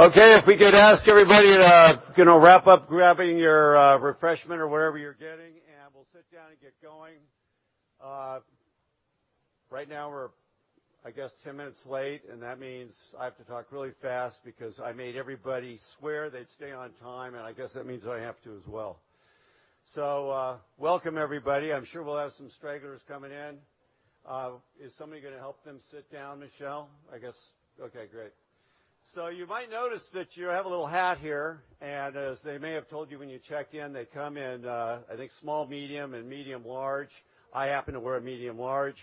If we could ask everybody to wrap up grabbing your refreshment or whatever you're getting, and we'll sit down and get going. We're, I guess, 10 minutes late, and that means I have to talk really fast because I made everybody swear they'd stay on time, and I guess that means I have to as well. Welcome everybody. I'm sure we'll have some stragglers coming in. Is somebody going to help them sit down, Michelle? I guess. Great. You might notice that you have a little hat here, and as they may have told you when you checked in, they come in, I think, small/medium and medium/large. I happen to wear a medium/large.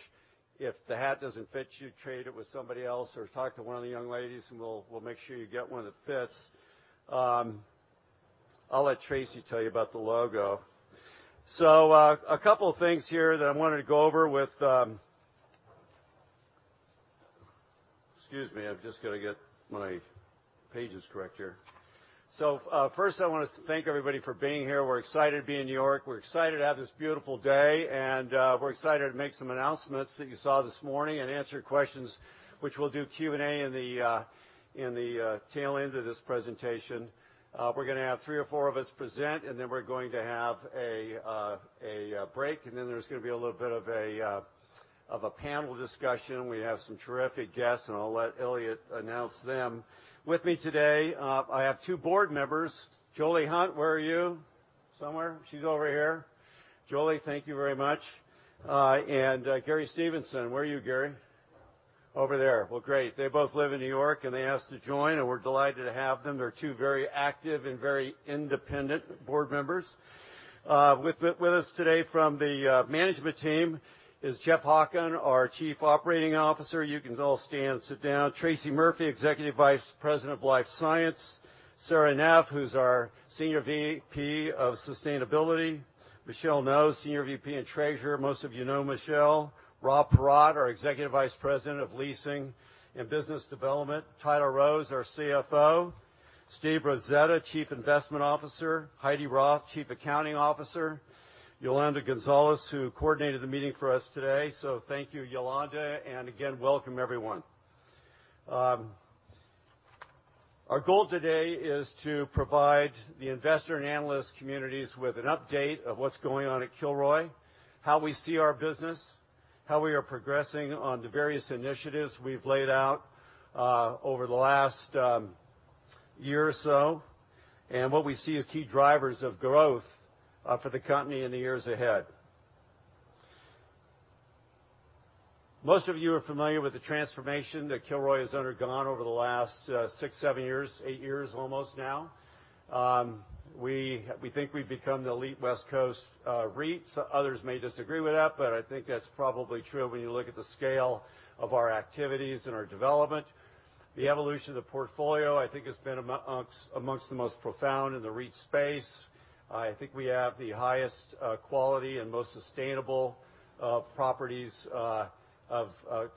If the hat doesn't fit you, trade it with somebody else or talk to one of the young ladies and we'll make sure you get one that fits. I'll let Tracy tell you about the logo. A couple of things here that I wanted to go over with Excuse me, I've just got to get my pages correct here. First I want to thank everybody for being here. We're excited to be in New York. We're excited to have this beautiful day, and we're excited to make some announcements that you saw this morning and answer your questions, which we'll do Q&A in the tail end of this presentation. We're going to have three or four of us present, and then we're going to have a break, and then there's going to be a little bit of a panel discussion. We have some terrific guests, and I'll let Eliott announce them. With me today, I have two board members. Jolie Hunt, where are you? Somewhere. She's over here. Jolie, thank you very much. Gary Stevenson. Where are you, Gary? Over there. Great. They both live in New York, and they asked to join, and we're delighted to have them. They're two very active and very independent board members. With us today from the management team is Jeff Hawken, our Chief Operating Officer. You can all stand, sit down. Tracy Murphy, Executive Vice President of Life Science. Sara Neff, who's our Senior VP of Sustainability. Michelle Ngo, Senior VP and Treasurer. Most of you know Michelle. Rob Paratte, our Executive Vice President of Leasing and Business Development. Tyler Rose, our CFO. Steve Rosetta, Chief Investment Officer. Heidi Roth, Chief Accounting Officer. Yolanda Gonzalez, who coordinated the meeting for us today. Thank you, Yolanda, and again, welcome everyone. Our goal today is to provide the investor and analyst communities with an update of what's going on at Kilroy, how we see our business, how we are progressing on the various initiatives we've laid out over the last year or so, and what we see as key drivers of growth for the company in the years ahead. Most of you are familiar with the transformation that Kilroy has undergone over the last six, seven years, eight years almost now. We think we've become the elite West Coast REIT, others may disagree with that, but I think that's probably true when you look at the scale of our activities and our development. The evolution of the portfolio, I think, has been amongst the most profound in the REIT space. I think we have the highest quality and most sustainable properties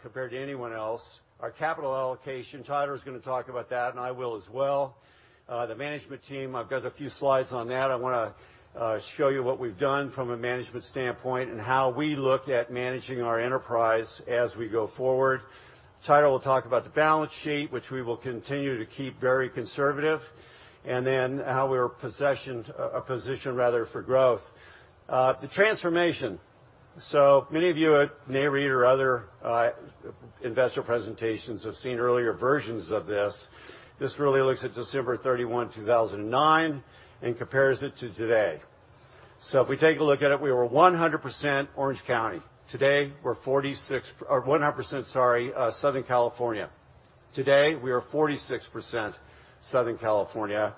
compared to anyone else. Our capital allocation, Tyler's going to talk about that. I will as well. The management team, I've got a few slides on that. I want to show you what we've done from a management standpoint and how we look at managing our enterprise as we go forward. Tyler will talk about the balance sheet, which we will continue to keep very conservative, then how we're positioned for growth. The transformation. Many of you may read our other investor presentations or have seen earlier versions of this. This really looks at December 31, 2009, and compares it to today. If we take a look at it, we were 100% Orange County. Today, we're 46%, sorry, 100% Southern California. Today, we are 46% Southern California.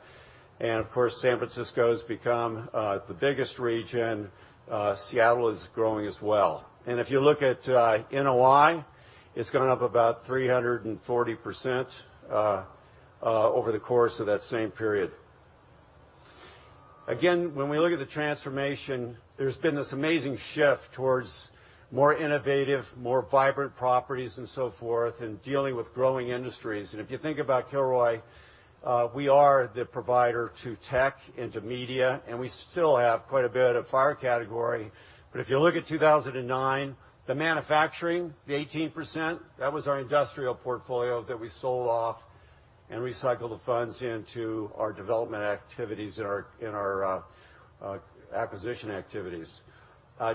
Of course, San Francisco's become the biggest region. Seattle is growing as well. If you look at NOI, it's gone up about 340% over the course of that same period. Again, when we look at the transformation, there's been this amazing shift towards more innovative, more vibrant properties and so forth, and dealing with growing industries. If you think about Kilroy, we are the provider to tech and to media, and we still have quite a bit of FIRE category. If you look at 2009, the manufacturing, the 18%, that was our industrial portfolio that we sold off and recycled the funds into our development activities and our acquisition activities.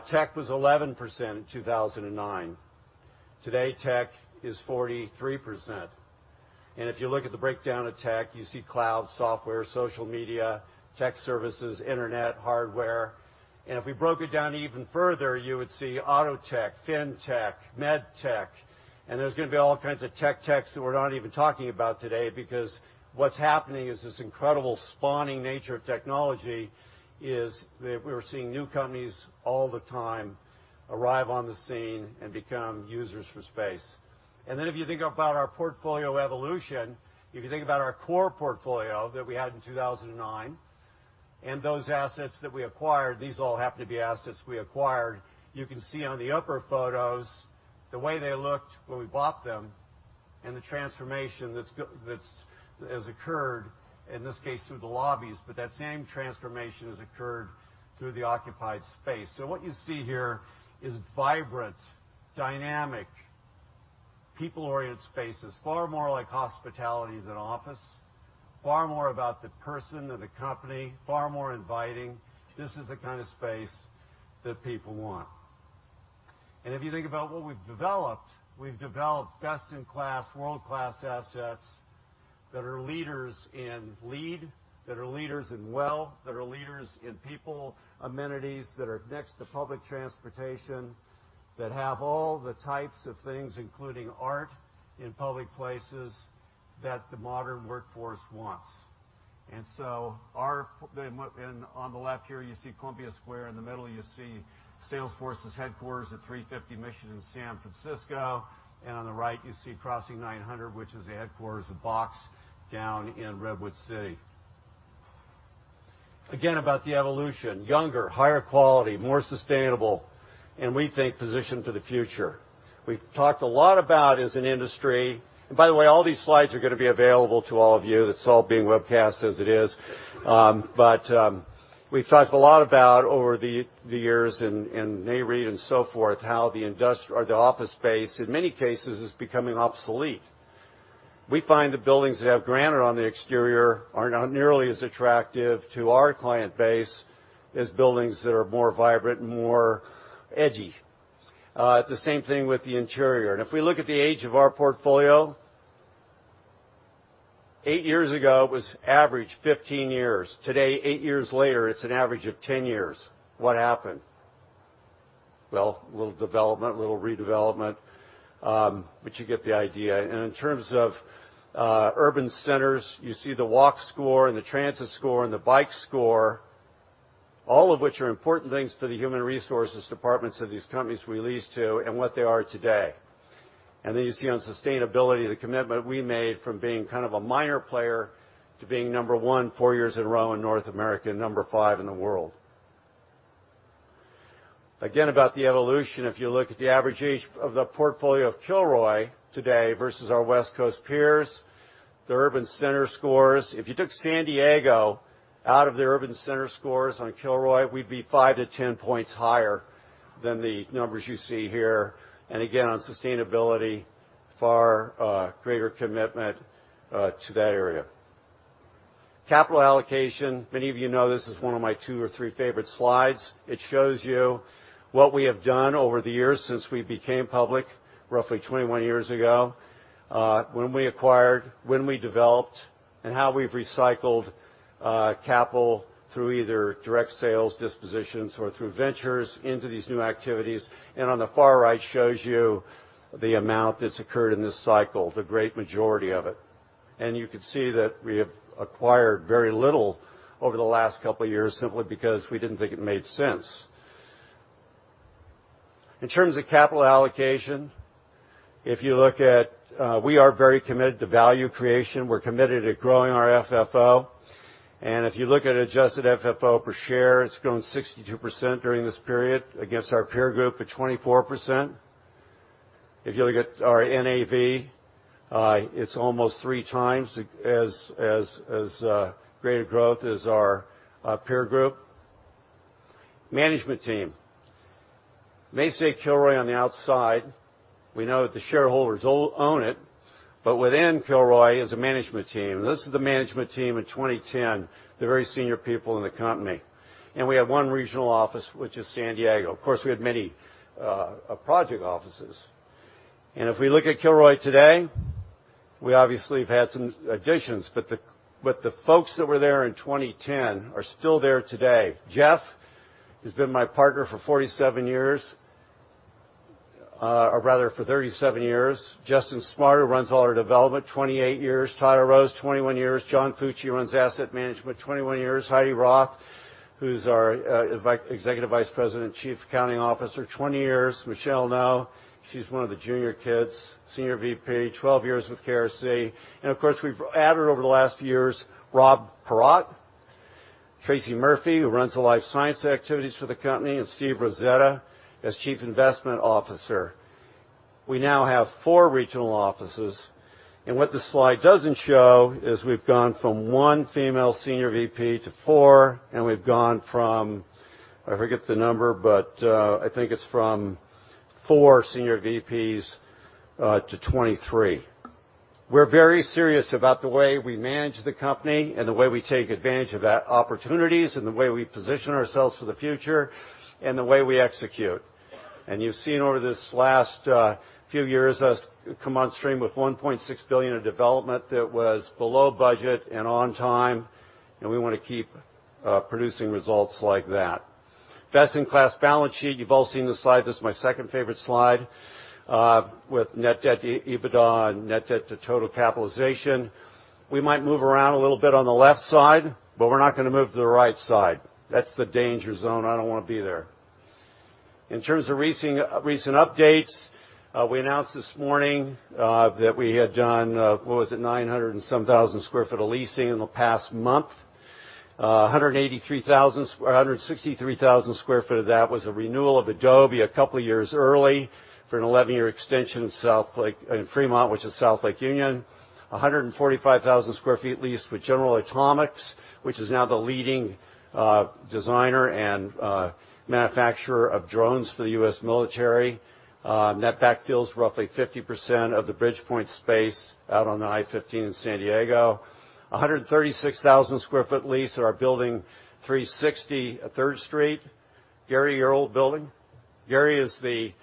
Tech was 11% in 2009. Today, tech is 43%. If you look at the breakdown of tech, you see cloud software, social media, tech services, internet, hardware. If we broke it down even further, you would see auto tech, fintech, med tech, and there's going to be all kinds of tech techs that we're not even talking about today because what's happening is this incredible spawning nature of technology is that we're seeing new companies all the time arrive on the scene and become users for space. If you think about our portfolio evolution, if you think about our core portfolio that we had in 2009 and those assets that we acquired, these all happen to be assets we acquired. You can see on the upper photos the way they looked when we bought them and the transformation that has occurred, in this case, through the lobbies. But that same transformation has occurred through the occupied space. What you see here is vibrant Dynamic, people-oriented spaces, far more like hospitality than office, far more about the person than the company, far more inviting. This is the kind of space that people want. If you think about what we've developed, we've developed best-in-class, world-class assets that are leaders in LEED, that are leaders in WELL, that are leaders in people amenities, that are next to public transportation, that have all the types of things, including art in public places, that the modern workforce wants. On the left here, you see Columbia Square. In the middle, you see Salesforce's headquarters at 350 Mission in San Francisco. On the right, you see Crossing 900, which is the headquarters of Box down in Redwood City. Again, about the evolution. Younger, higher quality, more sustainable, and we think positioned for the future. We've talked a lot about, as an industry. By the way, all these slides are going to be available to all of you. It's all being webcast as it is. We've talked a lot about over the years in Nareit and so forth, how the office space, in many cases, is becoming obsolete. We find the buildings that have granite on the exterior are not nearly as attractive to our client base as buildings that are more vibrant and more edgy. The same thing with the interior. If we look at the age of our portfolio, eight years ago, it was average 15 years. Today, eight years later, it's an average of 10 years. What happened? Well, a little development, a little redevelopment, but you get the idea. In terms of urban centers, you see the walk score and the transit score and the bike score, all of which are important things to the human resources departments of these companies we lease to and what they are today. You see on sustainability, the commitment we made from being kind of a minor player to being number 1 four years in a row in North America, number 5 in the world. Again, about the evolution. If you look at the average age of the portfolio of Kilroy today versus our West Coast peers, their urban center scores. If you took San Diego out of the urban center scores on Kilroy, we'd be five to 10 points higher than the numbers you see here. Again, on sustainability, far greater commitment to that area. Capital allocation. Many of you know this is one of my two or three favorite slides. It shows you what we have done over the years since we became public roughly 21 years ago, when we acquired, when we developed, and how we've recycled capital through either direct sales, dispositions, or through ventures into these new activities. On the far right shows you the amount that's occurred in this cycle, the great majority of it. You can see that we have acquired very little over the last couple of years simply because we didn't think it made sense. In terms of capital allocation, we are very committed to value creation. We're committed to growing our FFO. If you look at adjusted FFO per share, it's grown 62% during this period against our peer group of 24%. If you look at our NAV, it's almost three times as greater growth as our peer group. Management team. They say Kilroy on the outside. We know that the shareholders own it. Within Kilroy is a management team. This is the management team in 2010, the very senior people in the company. We had one regional office, which is San Diego. Of course, we had many project offices. If we look at Kilroy today, we obviously have had some additions, but the folks that were there in 2010 are still there today. Jeff, who's been my partner for 47 years, or rather for 37 years. Justin Smart, who runs all our development, 28 years. Tyler Rose, 21 years. John Fucci runs asset management, 21 years. Heidi Roth, who's our Executive Vice President, Chief Accounting Officer, 20 years. Michelle Ngo, she's one of the junior kids, Senior VP, 12 years with KRC. Of course, we've added over the last years, Rob Paratte, Tracy Murphy, who runs the Life Science activities for the company, and Steve Rosetta as Chief Investment Officer. We now have four regional offices. What this slide doesn't show is we've gone from one female Senior VP to four, and we've gone from, I forget the number, but I think it's from four Senior VPs to 23. We're very serious about the way we manage the company and the way we take advantage of opportunities and the way we position ourselves for the future and the way we execute. You've seen over these last few years us come on stream with $1.6 billion of development that was below budget and on time, and we want to keep producing results like that. Best-in-class balance sheet. You've all seen this slide. This is my second favorite slide with net debt to EBITDA and net debt to total capitalization. We might move around a little bit on the left side, but we're not going to move to the right side. That's the danger zone. I don't want to be there. In terms of recent updates, we announced this morning that we had done, what was it, 900,000 square feet of leasing in the past month. 163,000 square feet of that was a renewal of Adobe a couple of years early for an 11-year extension in Fremont, which is South Lake Union. 145,000 square feet leased with General Atomics, which is now the leading designer and manufacturer of drones for the U.S. military. Net back fills roughly 50% of the Bridgepoint Education space out on the I-15 in San Diego. 136,000 square feet lease at our building 360 Third Street, Gary, your old building. Gary is the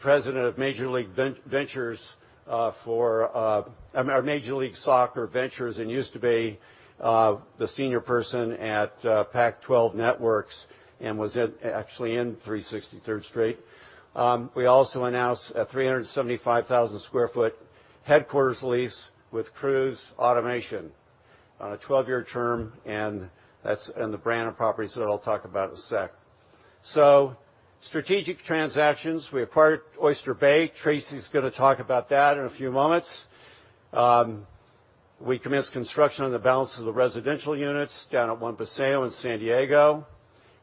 president of Major League Soccer Ventures and used to be the senior person at Pac-12 Networks and was actually in 360 Third Street. We also announced a 375,000 square feet headquarters lease with Cruise Automation on a 12-year term, and that's in the Brannan properties that I'll talk about in a sec. Strategic transactions, we acquired Oyster Point. Tracy's going to talk about that in a few moments. We commenced construction on the balance of the residential units down at One Paseo in San Diego.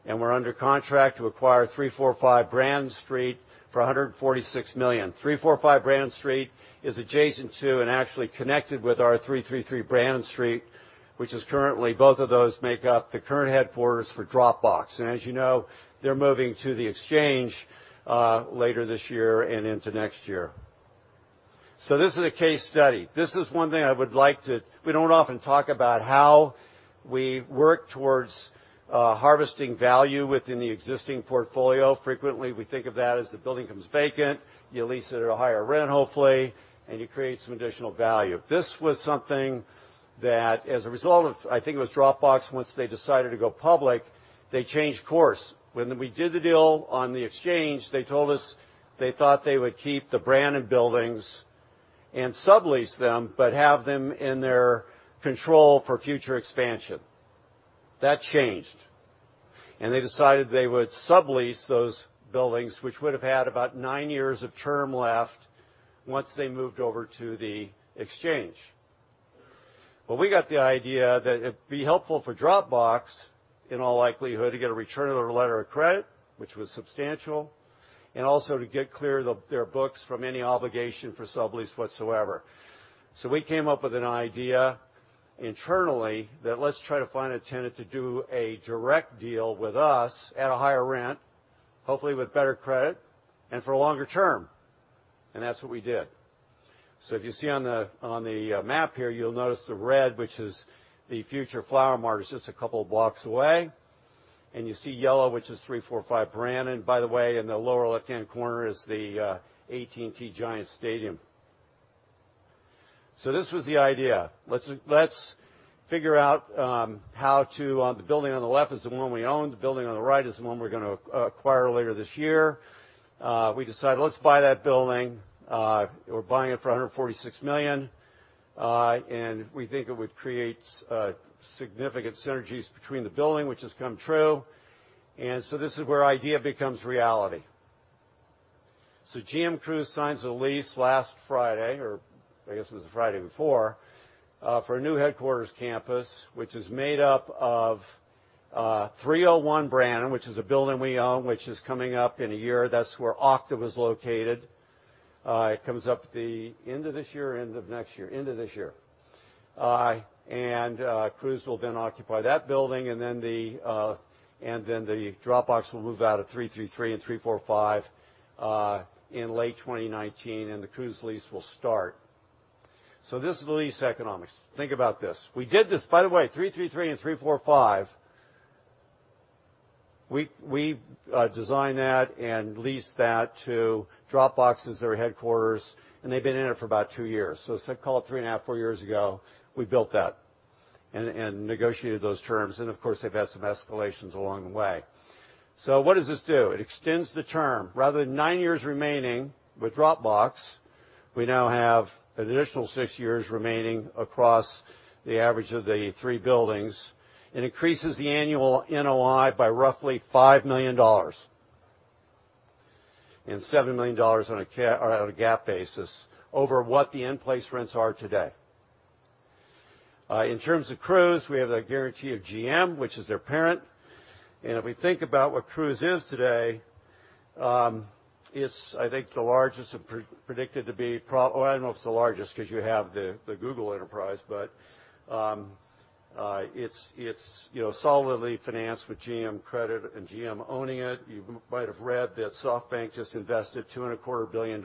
We're under contract to acquire 345 Brannan Street for $146 million. 345 Brannan Street is adjacent to and actually connected with our 333 Brannan Street, which is currently, both of those make up the current headquarters for Dropbox. As you know, they're moving to The Exchange later this year and into next year. This is a case study. We don't often talk about how we work towards harvesting value within the existing portfolio. Frequently, we think of that as the building becomes vacant, you lease it at a higher rent, hopefully, and you create some additional value. This was something that, as a result of, I think it was Dropbox, once they decided to go public, they changed course. When we did the deal on The Exchange, they told us they thought they would keep the Brannan buildings and sublease them, but have them in their control for future expansion. That changed, and they decided they would sublease those buildings, which would have had about nine years of term left once they moved over to The Exchange. We got the idea that it'd be helpful for Dropbox, in all likelihood, to get a return of their letter of credit, which was substantial, and also to get clear their books from any obligation for sublease whatsoever. We came up with an idea internally, that let's try to find a tenant to do a direct deal with us at a higher rent, hopefully with better credit, and for a longer term. That's what we did. If you see on the map here, you'll notice the red, which is the future flower market. It's just a couple of blocks away. You see yellow, which is 345 Brannan. By the way, in the lower left-hand corner is the AT&T Giant stadium. This was the idea. The building on the left is the one we own. The building on the right is the one we're going to acquire later this year. We decided, let's buy that building. We're buying it for $146 million, and we think it would create significant synergies between the buildings, which has come true. This is where idea becomes reality. GM Cruise signs a lease last Friday, or I guess it was the Friday before, for a new headquarters campus, which is made up of 301 Brannan, which is a building we own, which is coming up in a year. That's where Okta was located. It comes up the end of this year or end of next year? End of this year. Cruise will then occupy that building, and then Dropbox will move out of 333 and 345 in late 2019, and the Cruise lease will start. This is the lease economics. Think about this. We did this, by the way, 333 and 345, we designed that and leased that to Dropbox as their headquarters, and they've been in it for about two years. Call it three and a half, four years ago, we built that and negotiated those terms, and of course, they've had some escalations along the way. What does this do? It extends the term. Rather than nine years remaining with Dropbox, we now have an additional six years remaining across the average of the three buildings. It increases the annual NOI by roughly $5 million, and $7 million on a GAAP basis over what the in-place rents are today. In terms of Cruise, we have the guarantee of GM, which is their parent. If we think about what Cruise is today, it's, I think, the largest, or predicted to be, well, I don't know if it's the largest because you have the Google enterprise, but it's solidly financed with GM credit and GM owning it. You might have read that SoftBank just invested $2.25 billion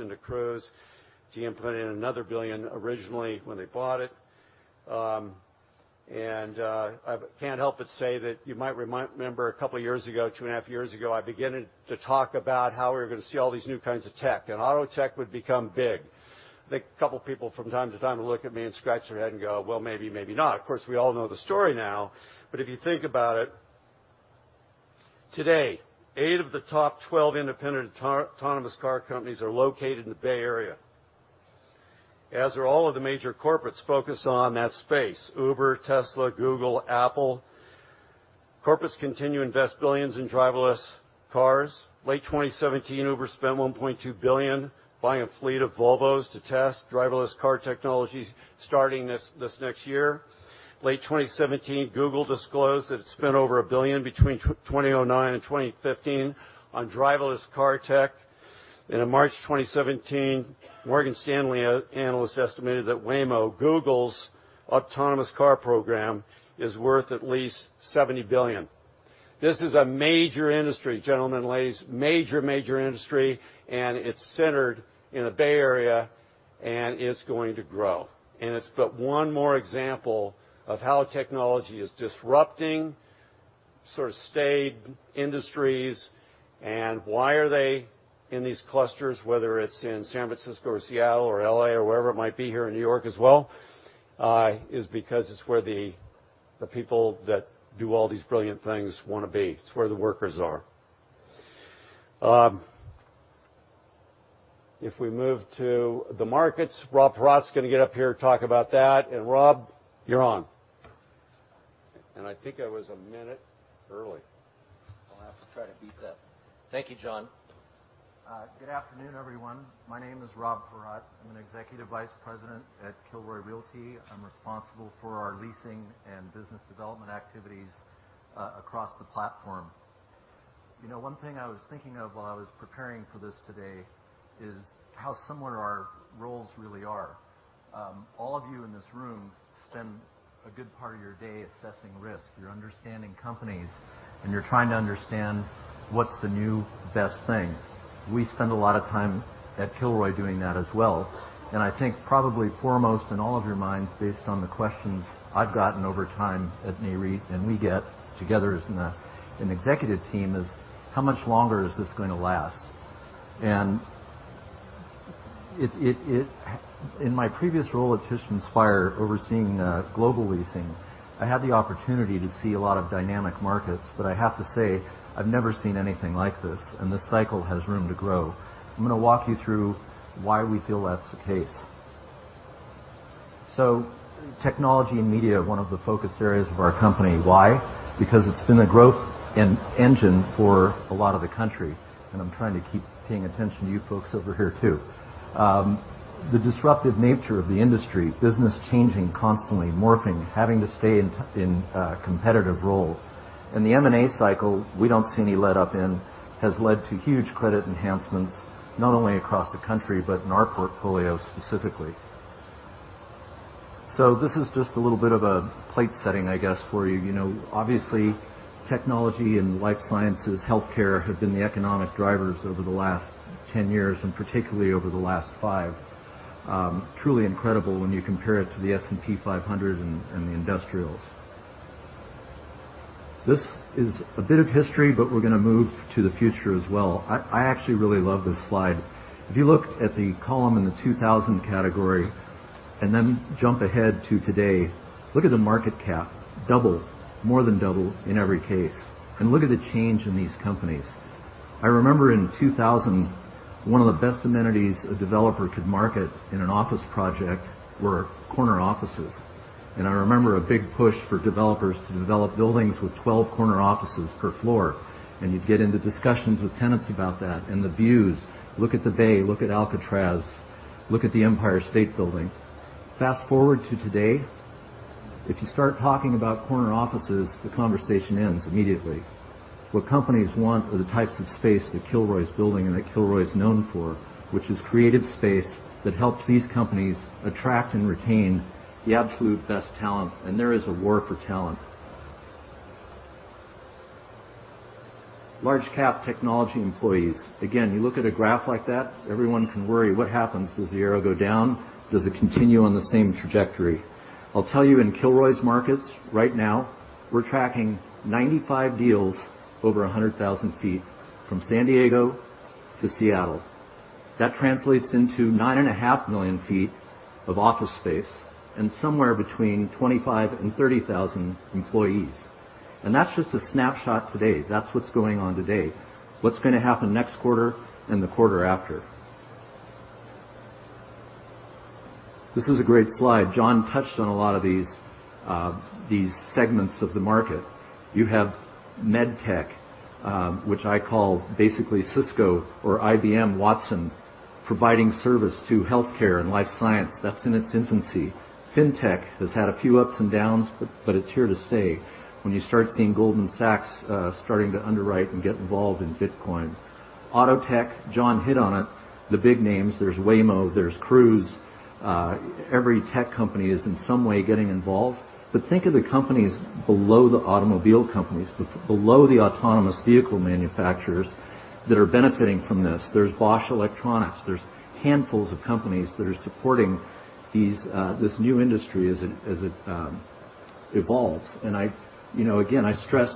into Cruise. GM put in another $1 billion originally when they bought it. I can't help but say that you might remember a couple of years ago, two and a half years ago, I began to talk about how we were going to see all these new kinds of tech, and auto tech would become big. I think a couple of people from time to time would look at me and scratch their head and go, "Well, maybe not." Of course, we all know the story now. If you think about it, today, eight of the top 12 independent autonomous car companies are located in the Bay Area, as are all of the major corporates focused on that space, Uber, Tesla, Google, Apple. Corporates continue to invest $billions in driverless cars. Late 2017, Uber spent $1.2 billion buying a fleet of Volvos to test driverless car technologies starting this next year. Late 2017, Google disclosed that it spent over $1 billion between 2009 and 2015 on driverless car tech. In March 2017, Morgan Stanley analysts estimated that Waymo, Google's autonomous car program, is worth at least $70 billion. This is a major industry, gentlemen and ladies. Major industry, it's centered in the Bay Area, and it's going to grow. It's but one more example of how technology is disrupting staid industries. Why are they in these clusters, whether it's in San Francisco or Seattle or L.A. or wherever it might be here in New York as well, is because it's where the people that do all these brilliant things want to be. It's where the workers are. If we move to the markets, Rob Paratte's going to get up here and talk about that. Rob, you're on. I think I was a minute early. I'll have to try to beat that. Thank you, John. Good afternoon, everyone. My name is Rob Paratte. I'm an Executive Vice President at Kilroy Realty. I'm responsible for our leasing and business development activities across the platform. One thing I was thinking of while I was preparing for this today is how similar our roles really are. All of you in this room spend a good part of your day assessing risk. You're understanding companies, and you're trying to understand what's the new best thing. We spend a lot of time at Kilroy doing that as well. I think probably foremost in all of your minds, based on the questions I've gotten over time at Nareit, we get together as an executive team, is how much longer is this going to last? In my previous role at Tishman Speyer, overseeing global leasing, I had the opportunity to see a lot of dynamic markets. I have to say, I've never seen anything like this cycle has room to grow. I'm going to walk you through why we feel that's the case. Technology and media are one of the focus areas of our company. Why? Because it's been a growth engine for a lot of the country, I'm trying to keep paying attention to you folks over here, too. The disruptive nature of the industry, business changing constantly, morphing, having to stay in a competitive role. The M&A cycle, we don't see any letup in, has led to huge credit enhancements, not only across the country but in our portfolio specifically. This is just a little bit of a plate setting, I guess, for you. Obviously, technology and life sciences, healthcare have been the economic drivers over the last 10 years, and particularly over the last 5. Truly incredible when you compare it to the S&P 500 and the industrials. This is a bit of history, but we're going to move to the future as well. I actually really love this slide. If you look at the column in the 2000 category and then jump ahead to today, look at the market cap. Doubled. More than doubled in every case. Look at the change in these companies. I remember in 2000, one of the best amenities a developer could market in an office project were corner offices. I remember a big push for developers to develop buildings with 12 corner offices per floor. You'd get into discussions with tenants about that and the views. Look at the Bay, look at Alcatraz, look at the Empire State Building. Fast-forward to today. If you start talking about corner offices, the conversation ends immediately. What companies want are the types of space that Kilroy's building and that Kilroy's known for, which is creative space that helps these companies attract and retain the absolute best talent, and there is a war for talent. Large cap technology employees. Again, you look at a graph like that, everyone can worry, what happens? Does the arrow go down? Does it continue on the same trajectory? I'll tell you, in Kilroy's markets right now, we're tracking 95 deals over 100,000 feet from San Diego to Seattle. That translates into 9.5 million feet of office space and somewhere between 25,000 and 30,000 employees. That's just a snapshot today. That's what's going on today. What's going to happen next quarter and the quarter after? This is a great slide. John touched on a lot of these segments of the market. You have med tech, which I call basically Cisco or IBM Watson, providing service to healthcare and life science. That's in its infancy. Fintech has had a few ups and downs, but it's here to stay. When you start seeing Goldman Sachs starting to underwrite and get involved in Bitcoin. Auto tech, John hit on it. The big names, there's Waymo, there's Cruise. Every tech company is in some way getting involved. Think of the companies below the automobile companies, below the autonomous vehicle manufacturers that are benefiting from this. There's Bosch Electronics. There's handfuls of companies that are supporting this new industry as it evolves. Again, I stress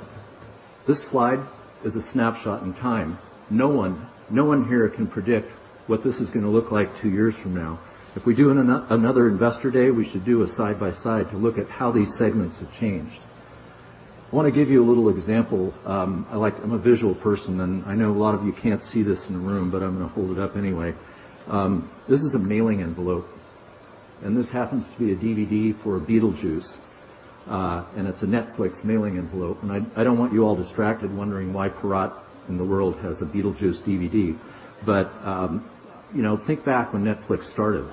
this slide is a snapshot in time. No one here can predict what this is going to look like 2 years from now. If we do another investor day, we should do a side by side to look at how these segments have changed. I want to give you a little example. I'm a visual person, and I know a lot of you can't see this in the room, but I'm going to hold it up anyway. This is a mailing envelope. This happens to be a DVD for "Beetlejuice," and it's a Netflix mailing envelope. I don't want you all distracted wondering why Paratte in the world has a "Beetlejuice" DVD. Think back when Netflix started.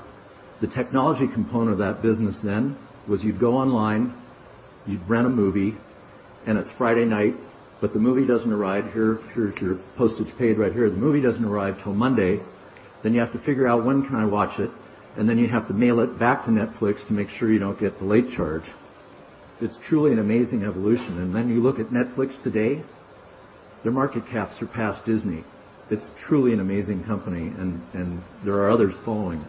The technology component of that business then was you'd go online, you'd rent a movie, and it's Friday night, but the movie doesn't arrive. Here's your postage paid right here. The movie doesn't arrive till Monday, then you have to figure out when can I watch it, and then you have to mail it back to Netflix to make sure you don't get the late charge. It's truly an amazing evolution. You look at Netflix today, their market cap surpassed Disney. It's truly an amazing company, and there are others following.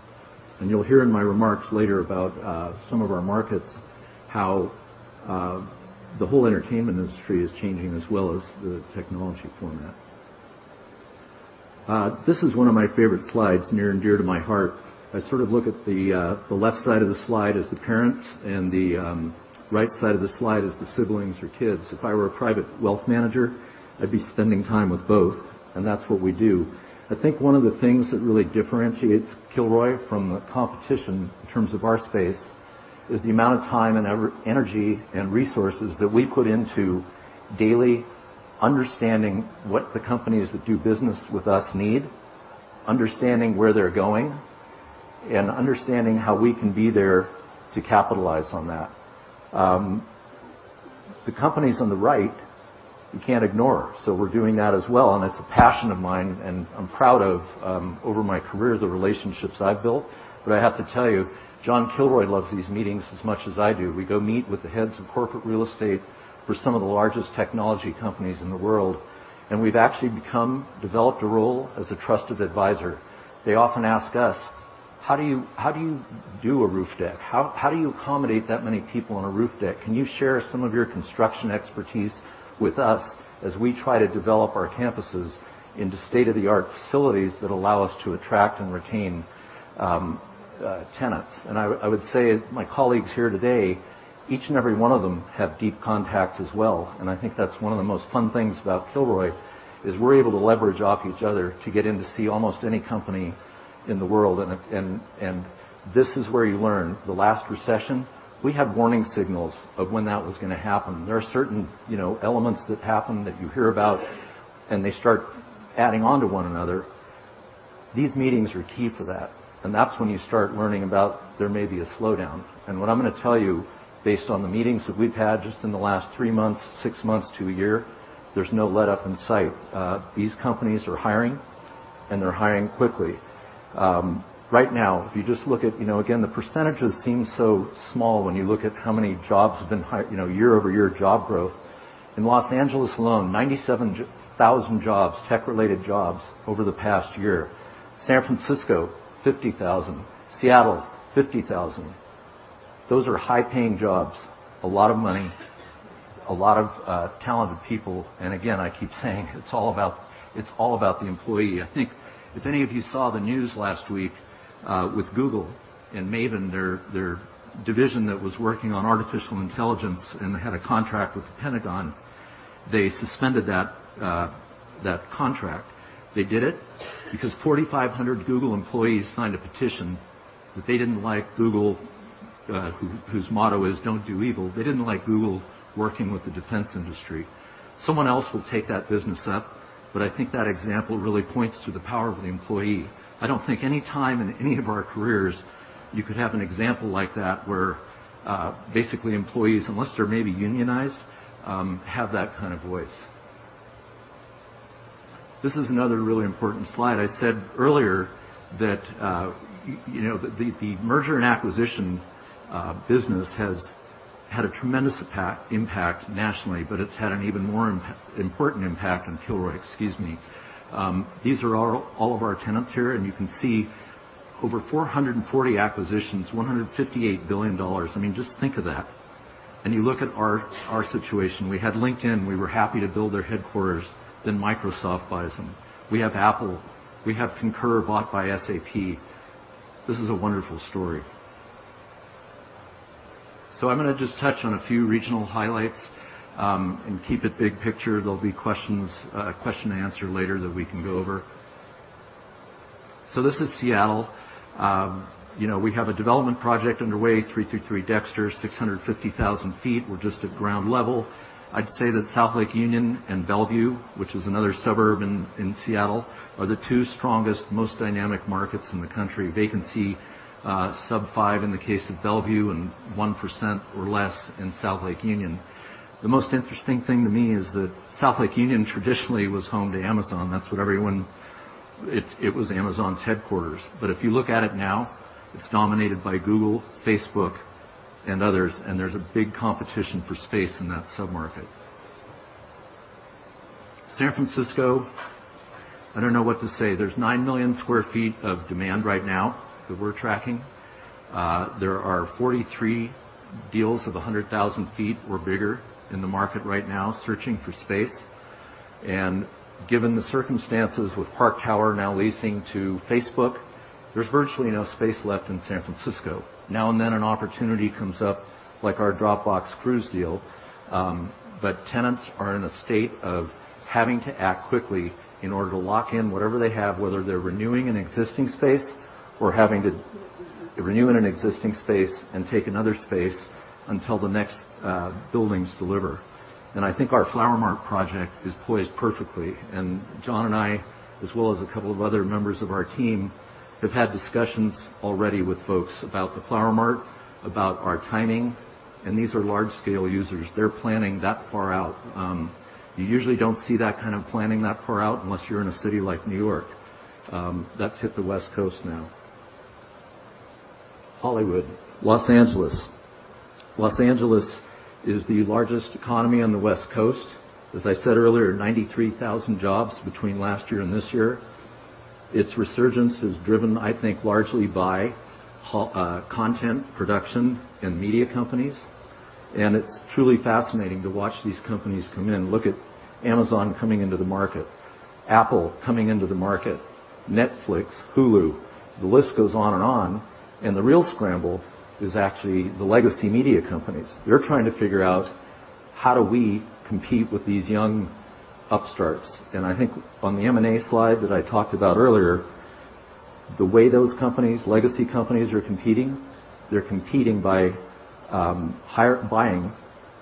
You'll hear in my remarks later about some of our markets, how the whole entertainment industry is changing as well as the technology format. This is one of my favorite slides, near and dear to my heart. I sort of look at the left side of the slide as the parents and the right side of the slide as the siblings or kids. If I were a private wealth manager, I'd be spending time with both, and that's what we do. I think one of the things that really differentiates Kilroy from the competition in terms of our space is the amount of time and energy and resources that we put into daily understanding what the companies that do business with us need, understanding where they're going, and understanding how we can be there to capitalize on that. The companies on the right, you can't ignore. We're doing that as well, and it's a passion of mine, and I'm proud of, over my career, the relationships I've built. I have to tell you, John Kilroy loves these meetings as much as I do. We go meet with the heads of corporate real estate for some of the largest technology companies in the world, and we've actually developed a role as a trusted advisor. They often ask us, "How do you do a roof deck? How do you accommodate that many people on a roof deck? Can you share some of your construction expertise with us as we try to develop our campuses into state-of-the-art facilities that allow us to attract and retain tenants?" I would say my colleagues here today, each and every one of them have deep contacts as well, and I think that's one of the most fun things about Kilroy, is we're able to leverage off each other to get in to see almost any company in the world. This is where you learn. The last recession, we had warning signals of when that was going to happen. There are certain elements that happen that you hear about, and they start adding on to one another. These meetings are key for that, and that's when you start learning about there may be a slowdown. What I'm going to tell you, based on the meetings that we've had just in the last three months, six months to a year, there's no letup in sight. These companies are hiring, and they're hiring quickly. Right now, if you just look at, again, the percentages seem so small when you look at how many jobs have been hired, year-over-year job growth. In Los Angeles alone, 97,000 jobs, tech-related jobs over the past year. San Francisco, 50,000. Seattle, 50,000. Those are high-paying jobs, a lot of money, a lot of talented people. Again, I keep saying it's all about the employee. I think if any of you saw the news last week with Google and Maven, their division that was working on artificial intelligence, and they had a contract with The Pentagon. They suspended that contract. They did it because 4,500 Google employees signed a petition that they didn't like Google, whose motto is, "Don't do evil," they didn't like Google working with the defense industry. Someone else will take that business up, but I think that example really points to the power of the employee. I don't think any time in any of our careers you could have an example like that where basically employees, unless they're maybe unionized, have that kind of voice. This is another really important slide. I said earlier that the merger and acquisition business has had a tremendous impact nationally, but it's had an even more important impact on Kilroy. Excuse me. These are all of our tenants here, and you can see over 440 acquisitions, $158 billion. I mean, just think of that. You look at our situation. We had LinkedIn. We were happy to build their headquarters, then Microsoft buys them. We have Apple. We have Concur bought by SAP. This is a wonderful story. I'm going to just touch on a few regional highlights and keep it big picture. There'll be question and answer later that we can go over. This is Seattle. We have a development project underway, 333 Dexter, 650,000 sq ft. We're just at ground level. I'd say that South Lake Union and Bellevue, which is another suburb in Seattle, are the two strongest, most dynamic markets in the country. Vacancy sub five in the case of Bellevue and 1% or less in South Lake Union. The most interesting thing to me is that South Lake Union traditionally was home to Amazon. It was Amazon's headquarters. If you look at it now, it's dominated by Google, Facebook, and others, and there's a big competition for space in that sub-market. San Francisco, I don't know what to say. There's 9 million sq ft of demand right now that we're tracking. There are 43 deals of 100,000 sq ft or bigger in the market right now searching for space. Given the circumstances with Park Tower now leasing to Facebook, there's virtually no space left in San Francisco. Now and then an opportunity comes up like our Dropbox Cruise deal, but tenants are in a state of having to act quickly in order to lock in whatever they have, whether they're renewing an existing space or having to renew in an existing space and take another space until the next buildings deliver. I think our Flower Mart project is poised perfectly. John and I, as well as a couple of other members of our team, have had discussions already with folks about the Flower Mart, about our timing, and these are large-scale users. They're planning that far out. You usually don't see that kind of planning that far out unless you're in a city like New York. That's hit the West Coast now. Hollywood, Los Angeles. Los Angeles is the largest economy on the West Coast. As I said earlier, 93,000 jobs between last year and this year. Its resurgence is driven, I think, largely by content production and media companies, and it's truly fascinating to watch these companies come in. Look at Amazon coming into the market, Apple coming into the market, Netflix, Hulu. The list goes on and on, and the real scramble is actually the legacy media companies. They're trying to figure out, how do we compete with these young upstarts? I think on the M&A slide that I talked about earlier, the way those legacy companies are competing, they're competing by buying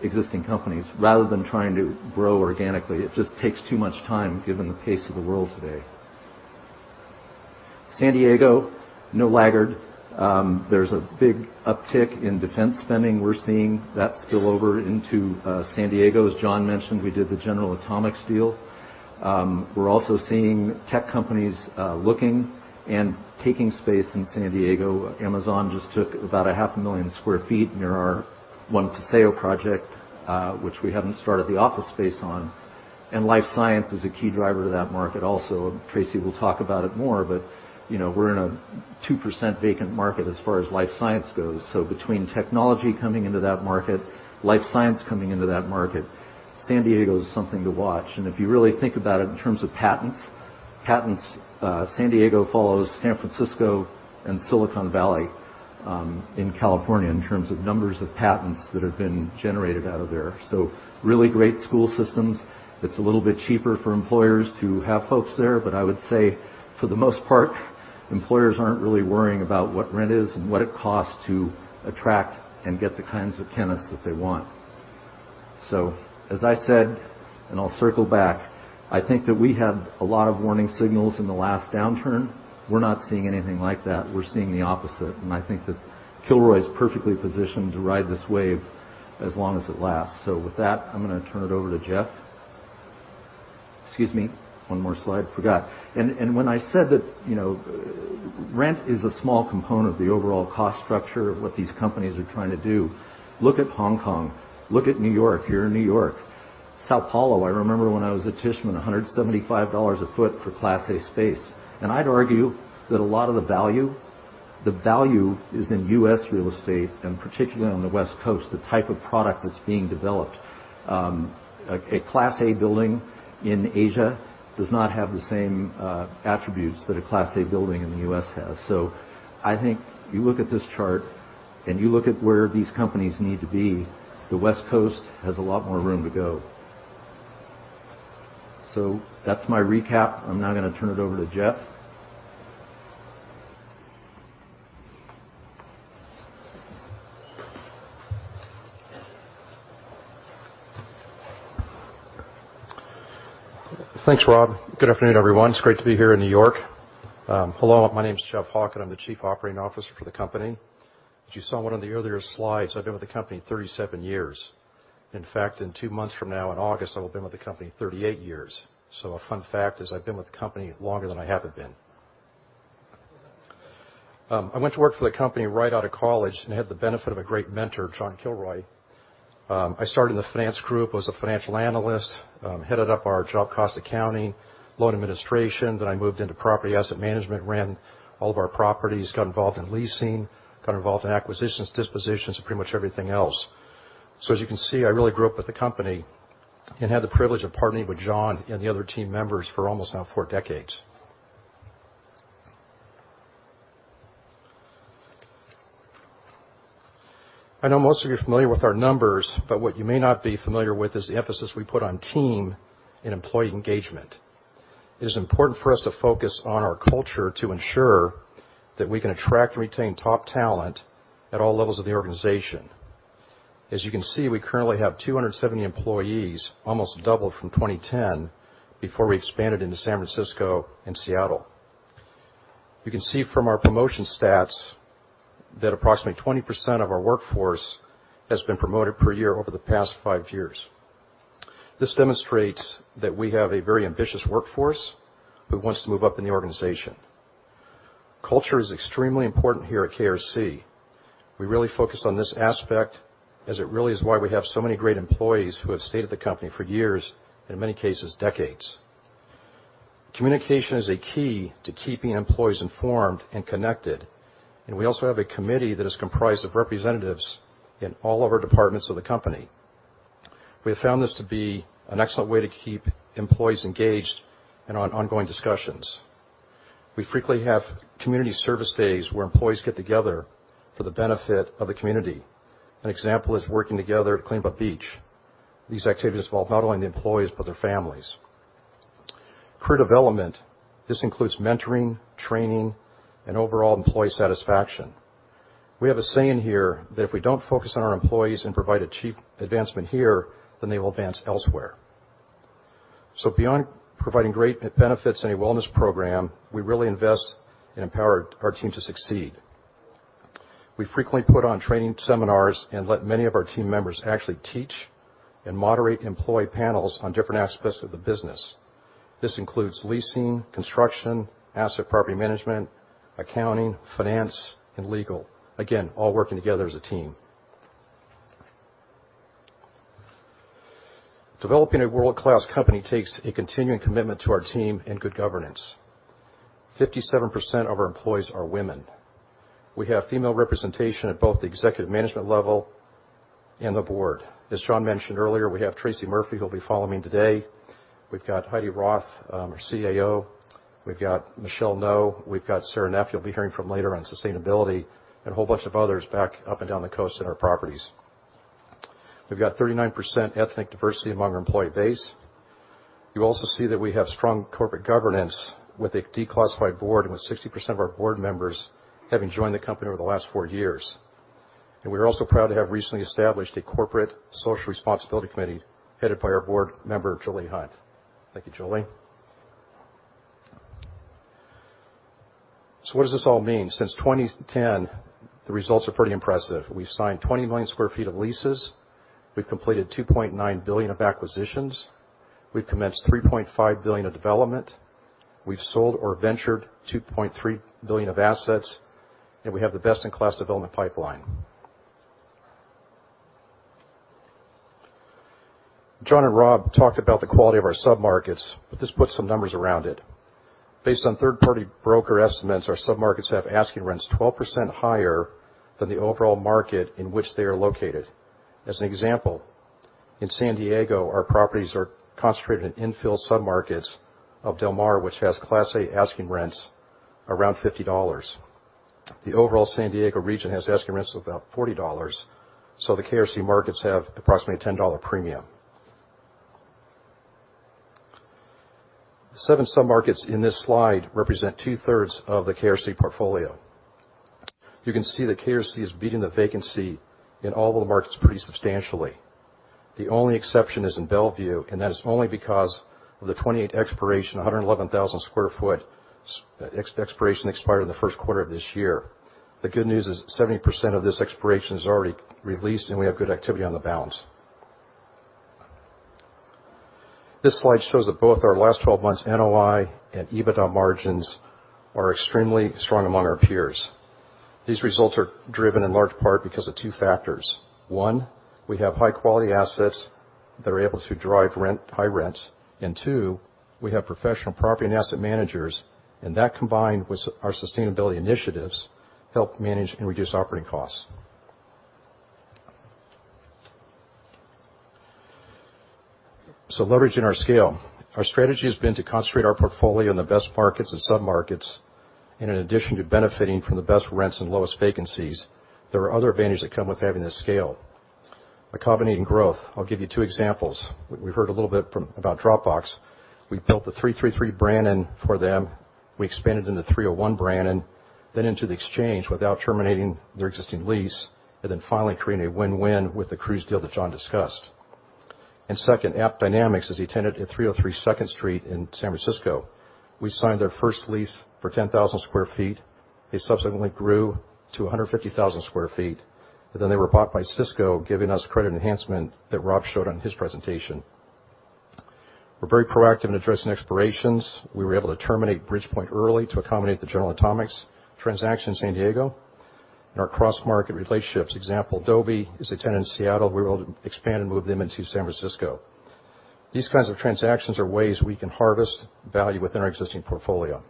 existing companies rather than trying to grow organically. It just takes too much time given the pace of the world today. San Diego, no laggard. There's a big uptick in defense spending. We're seeing that spill over into San Diego. As John mentioned, we did the General Atomics deal. We're also seeing tech companies looking and taking space in San Diego. Amazon just took about a half a million sq ft near our One Paseo project, which we haven't started the office space on. Life science is a key driver to that market also. Tracy will talk about it more, but we're in a 2% vacant market as far as life science goes. Between technology coming into that market, life science coming into that market, San Diego is something to watch. If you really think about it in terms of patents, San Diego follows San Francisco and Silicon Valley in California in terms of numbers of patents that have been generated out of there. Really great school systems. It's a little bit cheaper for employers to have folks there. I would say, for the most part, employers aren't really worrying about what rent is and what it costs to attract and get the kinds of tenants that they want. As I said, I'll circle back, I think that we had a lot of warning signals in the last downturn. We're not seeing anything like that. We're seeing the opposite, I think that Kilroy is perfectly positioned to ride this wave as long as it lasts. With that, I'm going to turn it over to Jeff. Excuse me, one more slide, forgot. When I said that rent is a small component of the overall cost structure of what these companies are trying to do, look at Hong Kong. Look at New York. You're in New York. São Paulo, I remember when I was at Tishman, $175 a foot for Class A space. I'd argue that a lot of the value is in U.S. real estate, particularly on the West Coast, the type of product that's being developed. A Class A building in Asia does not have the same attributes that a Class A building in the U.S. has. I think you look at this chart and you look at where these companies need to be, the West Coast has a lot more room to go. That's my recap. I'm now going to turn it over to Jeff. Thanks, Rob. Good afternoon, everyone. It's great to be here in New York. Hello, my name is Jeff Hawken and I'm the Chief Operating Officer for the company. As you saw on one of the earlier slides, I've been with the company 37 years. In fact, in two months from now in August, I will have been with the company 38 years. A fun fact is I've been with the company longer than I haven't been. I went to work for the company right out of college and had the benefit of a great mentor, John Kilroy. I started in the finance group, was a financial analyst, headed up our job cost accounting, loan administration, then I moved into property asset management, ran all of our properties, got involved in leasing, got involved in acquisitions, dispositions, and pretty much everything else. As you can see, I really grew up with the company and had the privilege of partnering with John and the other team members for almost now four decades. I know most of you are familiar with our numbers, but what you may not be familiar with is the emphasis we put on team and employee engagement. It is important for us to focus on our culture to ensure that we can attract and retain top talent at all levels of the organization. As you can see, we currently have 270 employees, almost double from 2010, before we expanded into San Francisco and Seattle. You can see from our promotion stats that approximately 20% of our workforce has been promoted per year over the past five years. This demonstrates that we have a very ambitious workforce who wants to move up in the organization. Culture is extremely important here at KRC. We really focus on this aspect as it really is why we have so many great employees who have stayed at the company for years, and in many cases, decades. Communication is a key to keeping employees informed and connected, and we also have a committee that is comprised of representatives in all of our departments of the company. We have found this to be an excellent way to keep employees engaged in our ongoing discussions. We frequently have community service days where employees get together for the benefit of the community. An example is working together to clean up a beach. These activities involve not only the employees, but their families. Career development includes mentoring, training, and overall employee satisfaction. We have a saying here that if we don't focus on our employees and provide a path advancement here, then they will advance elsewhere. Beyond providing great benefits and a wellness program, we really invest and empower our team to succeed. We frequently put on training seminars and let many of our team members actually teach and moderate employee panels on different aspects of the business. This includes leasing, construction, asset property management, accounting, finance, and legal. Again, all working together as a team. Developing a world-class company takes a continuing commitment to our team and good governance. 57% of our employees are women. We have female representation at both the executive management level and the board. As John mentioned earlier, we have Tracy Murphy, who'll be following today. We've got Heidi Roth, our CAO. We've got Michelle Ngo. We've got Sara Neff, you'll be hearing from later on sustainability, and a whole bunch of others back up and down the coast in our properties. We've got 39% ethnic diversity among our employee base. You also see that we have strong corporate governance with a declassified board, with 60% of our board members having joined the company over the last four years. We are also proud to have recently established a corporate social responsibility committee headed by our board member, Jolie Hunt. Thank you, Jolie. What does this all mean? Since 2010, the results are pretty impressive. We've signed 20 million sq ft of leases. We've completed $2.9 billion of acquisitions. We've commenced $3.5 billion of development. We've sold or ventured $2.3 billion of assets, and we have the best in class development pipeline. John and Rob talked about the quality of our submarkets, this puts some numbers around it. Based on third-party broker estimates, our submarkets have asking rents 12% higher than the overall market in which they are located. As an example, in San Diego, our properties are concentrated in infill submarkets of Del Mar, which has class A asking rents around $50. The overall San Diego region has asking rents of about $40, the KRC markets have approximately a $10 premium. The seven submarkets in this slide represent two-thirds of the KRC portfolio. You can see that KRC is beating the vacancy in all the markets pretty substantially. The only exception is in Bellevue, that is only because of the 28 expiration, 111,000 sq ft expiration expired in the first quarter of this year. The good news is 70% of this expiration is already re-leased, we have good activity on the balance. This slide shows that both our last 12 months NOI and EBITDA margins are extremely strong among our peers. These results are driven in large part because of two factors. One, we have high-quality assets that are able to drive high rents. Two, we have professional property and asset managers. That, combined with our sustainability initiatives, help manage and reduce operating costs. Leveraging our scale. Our strategy has been to concentrate our portfolio in the best markets and submarkets. In addition to benefiting from the best rents and lowest vacancies, there are other advantages that come with having this scale. Accommodating growth. I'll give you two examples. We've heard a little bit about Dropbox. We built the 333 Brannan for them. We expanded into 301 Brannan, then into The Exchange without terminating their existing lease, finally creating a win-win with the Cruise deal that John discussed. Second, AppDynamics is a tenant at 303 Second Street in San Francisco. We signed their first lease for 10,000 sq ft. They subsequently grew to 150,000 sq ft, they were bought by Cisco, giving us credit enhancement that Rob showed on his presentation. We're very proactive in addressing expirations. We were able to terminate Bridgepoint early to accommodate the General Atomics transaction in San Diego. Our cross-market relationships. Example, Adobe is a tenant in Seattle. We were able to expand and move them into San Francisco. These kinds of transactions are ways we can harvest value within our existing portfolio.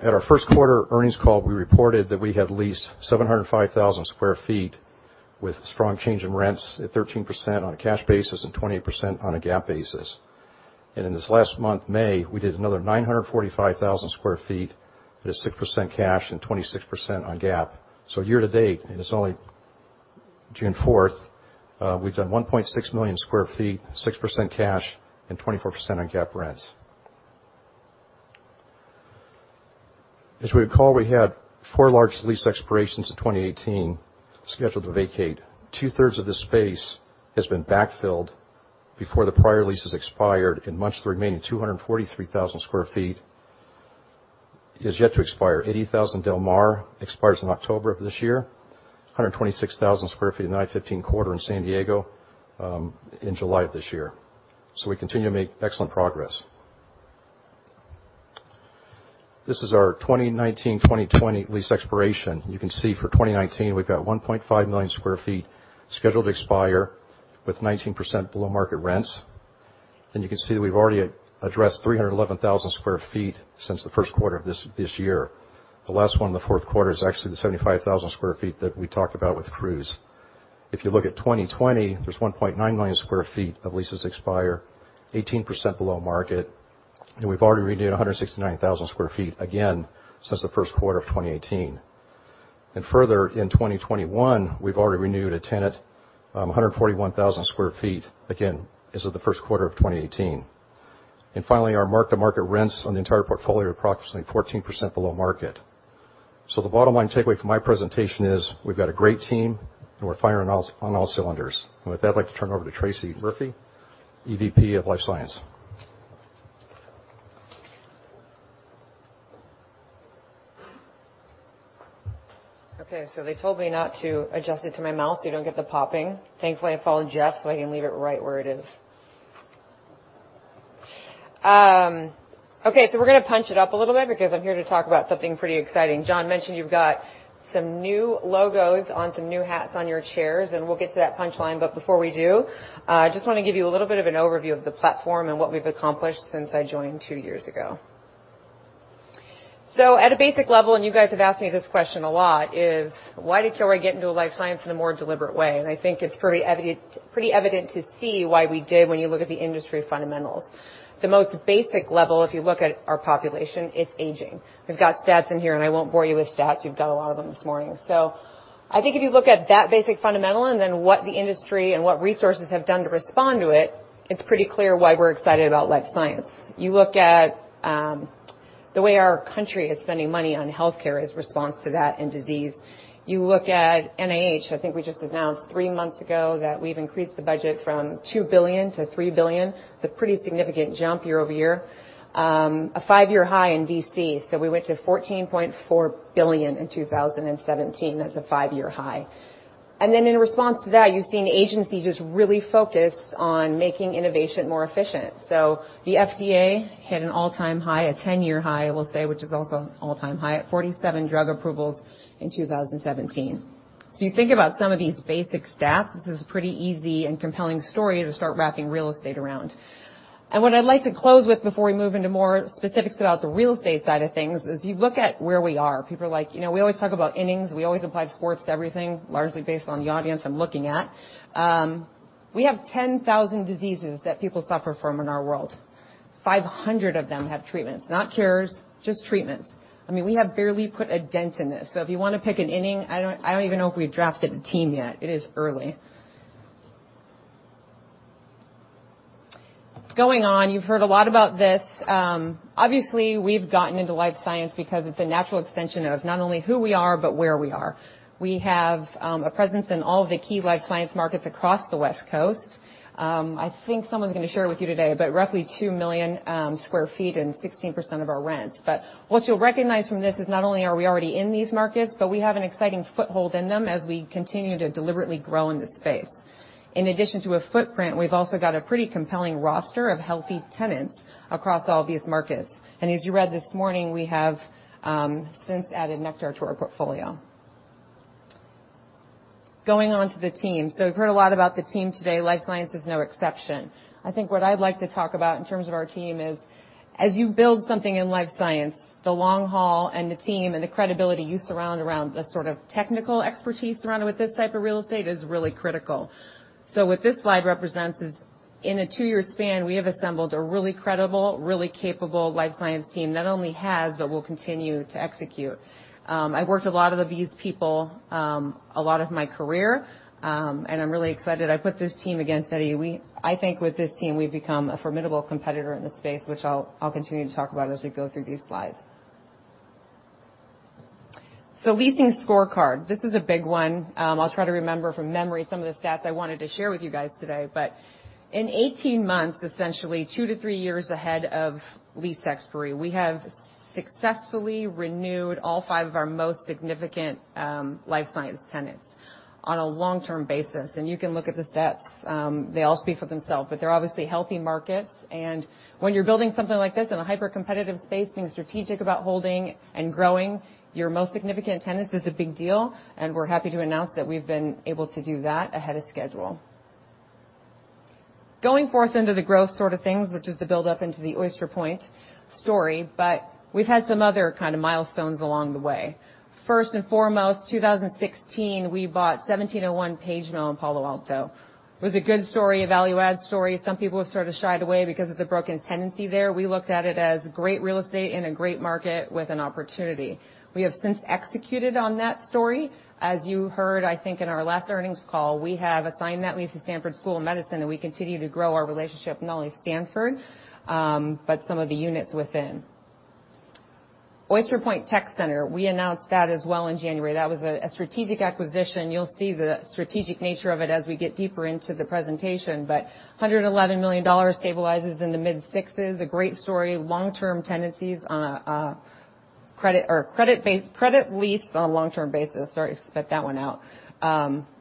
At our first quarter earnings call, we reported that we had leased 705,000 sq ft with a strong change in rents at 13% on a cash basis and 28% on a GAAP basis. In this last month, May, we did another 945,000 sq ft at a 6% cash and 26% on GAAP. Year to date, and it's only June 4th, we've done 1.6 million sq ft, 6% cash and 24% on GAAP rents. As we recall, we had four large lease expirations in 2018 scheduled to vacate. Two-thirds of this space has been backfilled before the prior leases expired, and much of the remaining 243,000 sq ft is yet to expire. 80,000 Del Mar expires in October of this year. 126,000 sq ft at I-15 Corridor in San Diego in July of this year. We continue to make excellent progress. This is our 2019, 2020 lease expiration. You can see for 2019, we've got 1.5 million sq ft scheduled to expire with 19% below market rents. You can see that we've already addressed 311,000 sq ft since the first quarter of this year. The last one in the fourth quarter is actually the 75,000 sq ft that we talked about with Cruise. If you look at 2020, there's 1.9 million sq ft of leases expire 18% below market. We've already renewed 169,000 sq ft again since the first quarter of 2018. Further in 2021, we've already renewed a tenant, 141,000 sq ft, again, as of the first quarter of 2018. Finally, our mark-to-market rents on the entire portfolio are approximately 14% below market. The bottom line takeaway from my presentation is we've got a great team, and we're firing on all cylinders. With that, I'd like to turn over to Tracy Murphy, EVP of Life Science. They told me not to adjust it to my mouth, you don't get the popping. Thankfully, I followed Jeff, I can leave it right where it is. We're going to punch it up a little bit because I'm here to talk about something pretty exciting. John mentioned you've got some new logos on some new hats on your chairs, and we'll get to that punchline. Before we do, I just want to give you a little bit of an overview of the platform and what we've accomplished since I joined two years ago. At a basic level, and you guys have asked me this question a lot, is why did Kilroy get into life science in a more deliberate way? I think it's pretty evident to see why we did when you look at the industry fundamentals. The most basic level, if you look at our population, it's aging. We've got stats in here, and I won't bore you with stats. You've got a lot of them this morning. I think if you look at that basic fundamental and then what the industry and what resources have done to respond to it's pretty clear why we're excited about life science. You look at the way our country is spending money on healthcare as response to that and disease. You look at NIH, I think we just announced 3 months ago that we've increased the budget from $2 billion to $3 billion. It's a pretty significant jump year-over-year. A 5-year high in D.C., we went to $14.4 billion in 2017. That's a 5-year high. In response to that, you've seen the agency just really focused on making innovation more efficient. The FDA hit an all-time high, a 10-year high, I will say, which is also an all-time high at 47 drug approvals in 2017. You think about some of these basic stats. This is a pretty easy and compelling story to start wrapping real estate around. What I'd like to close with before we move into more specifics about the real estate side of things is you look at where we are. People are like, we always talk about innings, we always apply sports to everything, largely based on the audience I'm looking at. We have 10,000 diseases that people suffer from in our world. 500 of them have treatments, not cures, just treatments. We have barely put a dent in this. If you want to pick an inning, I don't even know if we've drafted a team yet. It is early. Going on, you've heard a lot about this. Obviously, we've gotten into life science because it's a natural extension of not only who we are, but where we are. We have a presence in all of the key life science markets across the West Coast. I think someone's going to share with you today, but roughly 2 million sq ft and 16% of our rents. What you'll recognize from this is not only are we already in these markets, but we have an exciting foothold in them as we continue to deliberately grow in this space. In addition to a footprint, we've also got a pretty compelling roster of healthy tenants across all these markets. As you read this morning, we have since added Nektar to our portfolio. Going on to the team. You've heard a lot about the team today. Life science is no exception. I think what I'd like to talk about in terms of our team is, as you build something in life science, the long haul and the team and the credibility you surround around the sort of technical expertise surrounded with this type of real estate is really critical. What this slide represents is in a 2-year span, we have assembled a really credible, really capable life science team, not only has, but will continue to execute. I've worked a lot with these people, a lot of my career, and I'm really excited. I put this team against any. I think with this team, we've become a formidable competitor in this space, which I'll continue to talk about as we go through these slides. Leasing scorecard. This is a big one. I'll try to remember from memory some of the stats I wanted to share with you guys today. In 18 months, essentially 2 to 3 years ahead of lease expiry, we have successfully renewed all five of our most significant life science tenants on a long-term basis. You can look at the stats. They all speak for themselves, but they're obviously healthy markets. When you're building something like this in a hyper-competitive space, being strategic about holding and growing your most significant tenants is a big deal, and we're happy to announce that we've been able to do that ahead of schedule. Going forth into the growth sort of things, which is the buildup into the Oyster Point story, but we've had some other kind of milestones along the way. First and foremost, 2016, we bought 1701 Page Mill in Palo Alto. It was a good story, a value-add story. Some people sort of shied away because of the broken tenancy there. We looked at it as great real estate in a great market with an opportunity. We have since executed on that story. As you heard, I think in our last earnings call, we have assigned that lease to Stanford School of Medicine, and we continue to grow our relationship, not only with Stanford, but some of the units within. Oyster Point Tech Center, we announced that as well in January. That was a strategic acquisition. You'll see the strategic nature of it as we get deeper into the presentation. $111 million stabilizes in the mid-6s, a great story, long-term tenancies on a credit lease on a long-term basis. Sorry, spit that one out.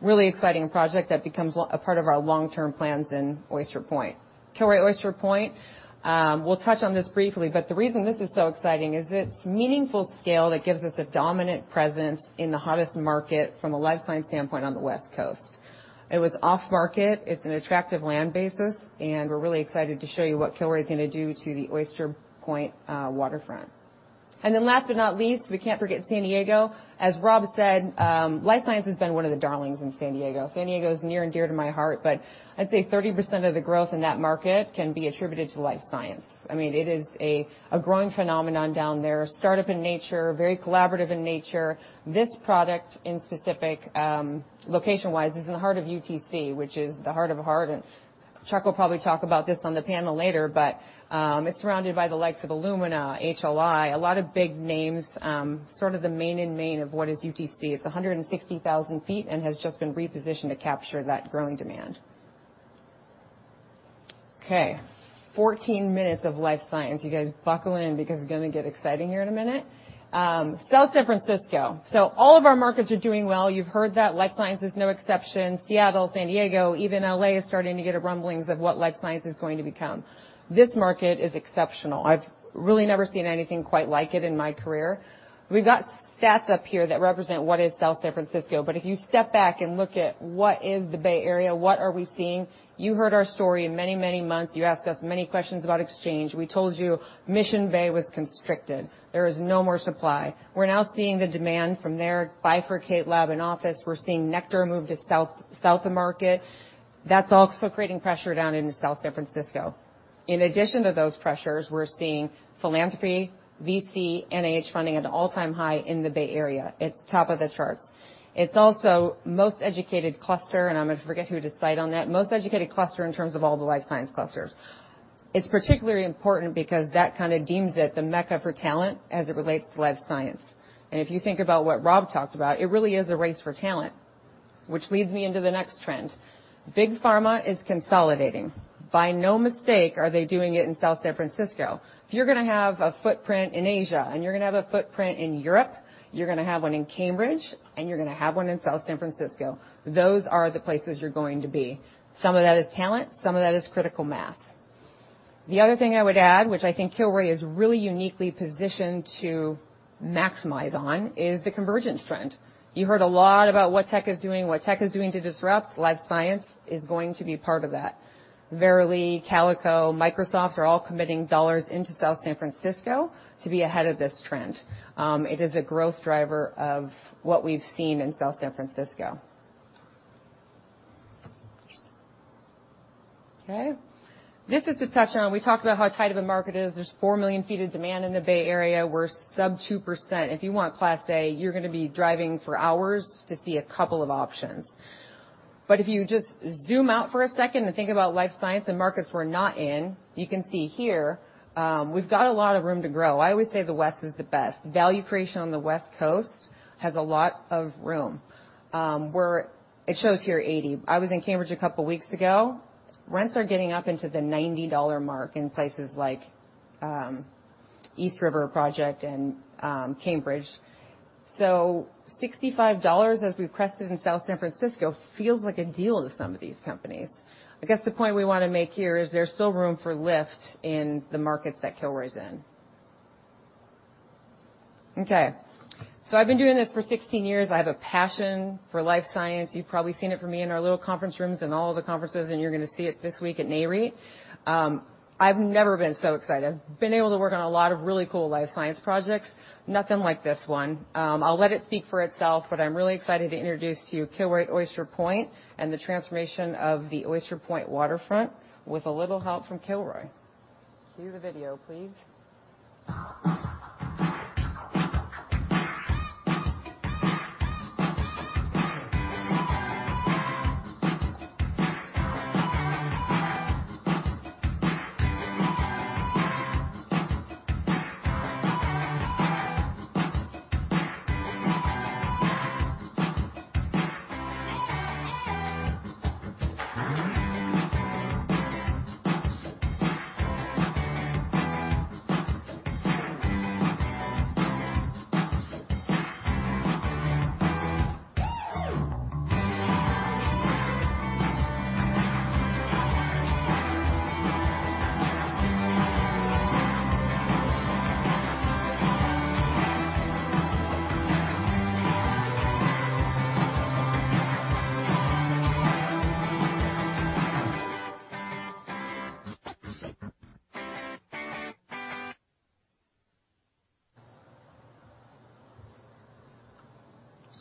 Really exciting project that becomes a part of our long-term plans in Oyster Point. Kilroy Oyster Point. We'll touch on this briefly, but the reason this is so exciting is it's meaningful scale that gives us a dominant presence in the hottest market from a life science standpoint on the West Coast. It was off-market, it's an attractive land basis, and we're really excited to show you what Kilroy's going to do to the Oyster Point waterfront. Last but not least, we can't forget San Diego. As Rob said, life science has been one of the darlings in San Diego. San Diego is near and dear to my heart, but I'd say 30% of the growth in that market can be attributed to life science. It is a growing phenomenon down there, startup in nature, very collaborative in nature. This product in specific, location-wise, is in the heart of UTC, which is the heart of heart, and Chuck will probably talk about this on the panel later. It's surrounded by the likes of Illumina, HLI, a lot of big names, sort of the main in main of what is UTC. It's 160,000 feet and has just been repositioned to capture that growing demand. Okay, 14 minutes of life science. You guys buckle in because it's going to get exciting here in a minute. South San Francisco. All of our markets are doing well. You've heard that life science is no exception. Seattle, San Diego, even L.A. is starting to get a rumblings of what life science is going to become. This market is exceptional. I've really never seen anything quite like it in my career. We've got stats up here that represent what is South San Francisco, but if you step back and look at what is the Bay Area, what are we seeing? You heard our story in many, many months. You asked us many questions about exchange. We told you Mission Bay was constricted. There is no more supply. We're now seeing the demand from there bifurcate lab and office. We're seeing Nektar move to South of Market. That's also creating pressure down into South San Francisco. In addition to those pressures, we're seeing philanthropy, VC, NIH funding at an all-time high in the Bay Area. It's top of the charts. It's also most educated cluster, and I'm going to forget who to cite on that, most educated cluster in terms of all the life science clusters. It's particularly important because that kind of deems it the mecca for talent as it relates to life science. If you think about what Rob talked about, it really is a race for talent, which leads me into the next trend. Big pharma is consolidating. By no mistake are they doing it in South San Francisco. If you're going to have a footprint in Asia and you're going to have a footprint in Europe, you're going to have one in Cambridge, and you're going to have one in South San Francisco. Those are the places you're going to be. Some of that is talent, some of that is critical mass. The other thing I would add, which I think Kilroy is really uniquely positioned to maximize on, is the convergence trend. You heard a lot about what tech is doing, what tech is doing to disrupt. Life science is going to be part of that. Verily, Calico, Microsoft are all committing dollars into South San Francisco to be ahead of this trend. It is a growth driver of what we've seen in South San Francisco. Okay. This is to touch on, we talked about how tight of a market is. There's 4 million feet of demand in the Bay Area. We're sub 2%. If you want Class A, you're going to be driving for hours to see a couple of options. If you just zoom out for a second and think about life science and markets we're not in, you can see here, we've got a lot of room to grow. I always say the West is the best. Value creation on the West Coast has a lot of room. It shows here $80. I was in Cambridge a couple of weeks ago. Rents are getting up into the $90 mark in places like East River Science Park and Cambridge. $65, as we've crested in South San Francisco, feels like a deal to some of these companies. I guess the point we want to make here is there's still room for lift in the markets that Kilroy's in. Okay. I've been doing this for 16 years. I have a passion for life science. You've probably seen it from me in our little conference rooms and all the conferences, and you're going to see it this week at Nareit. I've never been so excited. I've been able to work on a lot of really cool life science projects, nothing like this one. I'll let it speak for itself, but I'm really excited to introduce to you Kilroy Oyster Point and the transformation of the Oyster Point waterfront with a little help from Kilroy. Cue the video, please.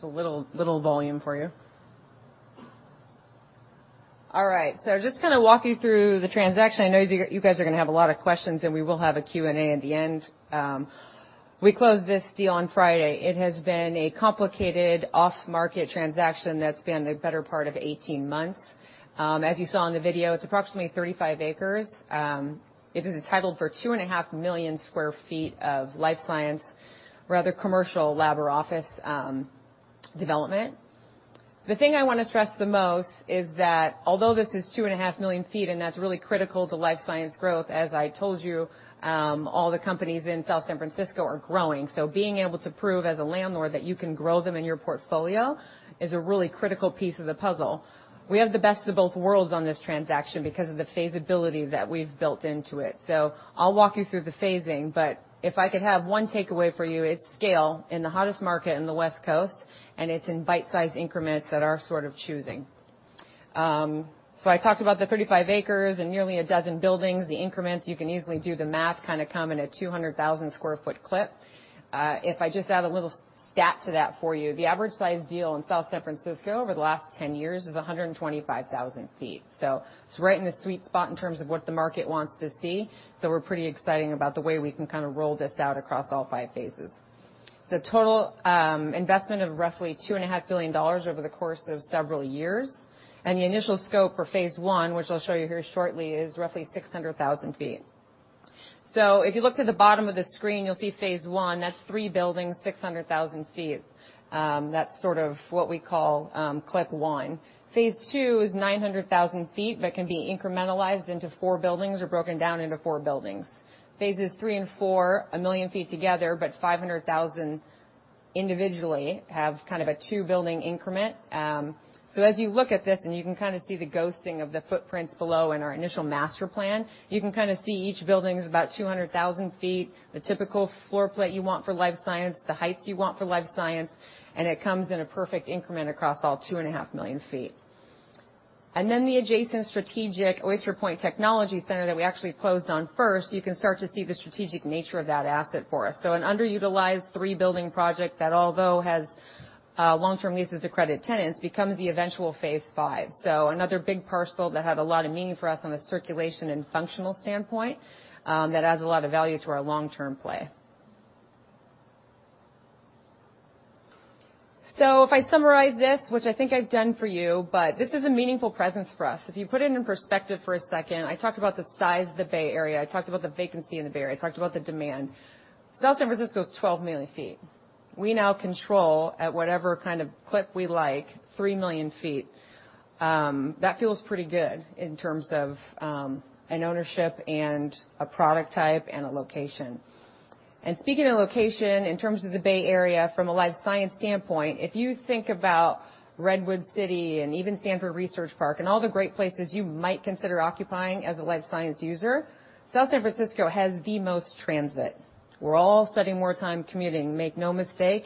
Just a little volume for you. All right. Just to walk you through the transaction. I know you guys are going to have a lot of questions, and we will have a Q&A at the end. We closed this deal on Friday. It has been a complicated off-market transaction that's been the better part of 18 months. As you saw in the video, it's approximately 35 acres. It is entitled for two and a half million square feet of life science, rather commercial lab or office development. The thing I want to stress the most is that although this is two and a half million feet, and that's really critical to life science growth, as I told you, all the companies in South San Francisco are growing. Being able to prove as a landlord that you can grow them in your portfolio is a really critical piece of the puzzle. We have the best of both worlds on this transaction because of the phasability that we've built into it. I'll walk you through the phasing, but if I could have one takeaway for you, it's scale in the hottest market in the West Coast, and it's in bite-size increments that are sort of choosing. I talked about the 35 acres and nearly a dozen buildings. The increments, you can easily do the math, kind of come in a 200,000 square foot clip. If I just add a little stat to that for you, the average size deal in South San Francisco over the last 10 years is 125,000 feet. It's right in the sweet spot in terms of what the market wants to see. We're pretty excited about the way we can roll this out across all five phases. Total investment of roughly $2.5 billion over the course of several years. The initial scope for phase 1, which I'll show you here shortly, is roughly 600,000 feet. If you look to the bottom of the screen, you'll see phase 1. That's three buildings, 600,000 feet. That's sort of what we call clip 1. Phase 2 is 900,000 feet, but can be incrementalized into four buildings or broken down into four buildings. Phases 3 and 4, a million feet together, but 500,000 individually, have kind of a two-building increment. As you look at this, and you can kind of see the ghosting of the footprints below in our initial master plan. You can kind of see each building's about 200,000 feet, the typical floor plate you want for life science, the heights you want for life science, and it comes in a perfect increment across all two and a half million feet. Then the adjacent strategic Oyster Point Technology Center that we actually closed on first, you can start to see the strategic nature of that asset for us. An underutilized three-building project that although has long-term leases to credit tenants, becomes the eventual phase 5. Another big parcel that had a lot of meaning for us on the circulation and functional standpoint, that adds a lot of value to our long-term play. If I summarize this, which I think I've done for you, but this is a meaningful presence for us. If you put it in perspective for a second, I talked about the size of the Bay Area, I talked about the vacancy in the Bay Area, I talked about the demand. South San Francisco is 12 million feet. We now control, at whatever kind of clip we like, three million feet. That feels pretty good in terms of an ownership and a product type and a location. Speaking of location, in terms of the Bay Area, from a life science standpoint, if you think about Redwood City and even Stanford Research Park and all the great places you might consider occupying as a life science user, South San Francisco has the most transit. We're all spending more time commuting. Make no mistake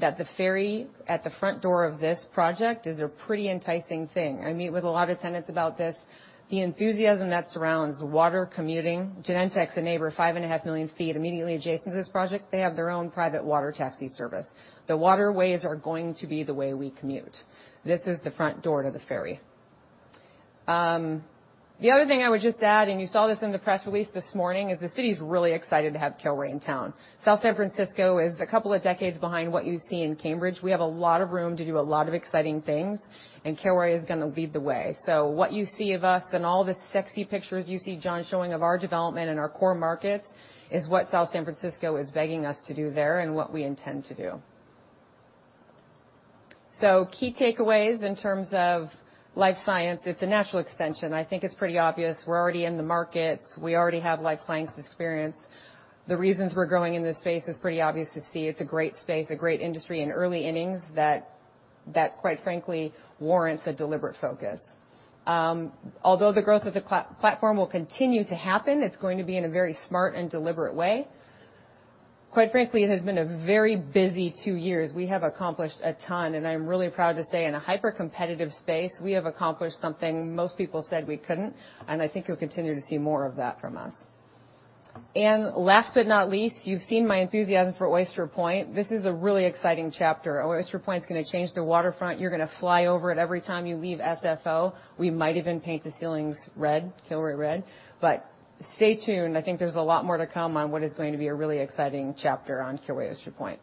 that the ferry at the front door of this project is a pretty enticing thing. I meet with a lot of tenants about this. The enthusiasm that surrounds water commuting. Genentech's a neighbor, 5.5 million feet immediately adjacent to this project. They have their own private water taxi service. The waterways are going to be the way we commute. This is the front door to the ferry. The other thing I would just add, you saw this in the press release this morning, is the city's really excited to have Kilroy in town. South San Francisco is a couple of decades behind what you see in Cambridge. We have a lot of room to do a lot of exciting things, Kilroy is going to lead the way. What you see of us and all the sexy pictures you see John showing of our development and our core markets is what South San Francisco is begging us to do there and what we intend to do. Key takeaways in terms of life science, it's a natural extension. I think it's pretty obvious. We're already in the markets. We already have life science experience. The reasons we're growing in this space is pretty obvious to see. It's a great space, a great industry in early innings that, quite frankly, warrants a deliberate focus. Although the growth of the platform will continue to happen, it's going to be in a very smart and deliberate way. Quite frankly, it has been a very busy two years. We have accomplished a ton, I'm really proud to say, in a hyper-competitive space, we have accomplished something most people said we couldn't, I think you'll continue to see more of that from us. Last but not least, you've seen my enthusiasm for Oyster Point. This is a really exciting chapter. Oyster Point's going to change the waterfront. You're going to fly over it every time you leave SFO. We might even paint the ceilings red, Kilroy red. Stay tuned. I think there's a lot more to come on what is going to be a really exciting chapter on Kilroy Oyster Point.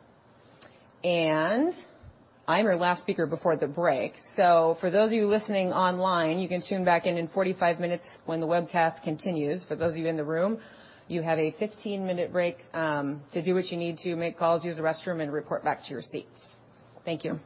I'm our last speaker before the break. For those of you listening online, you can tune back in in 45 minutes when the webcast continues. For those of you in the room, you have a 15-minute break to do what you need to, make calls, use the restroom, and report back to your seats. Thank you.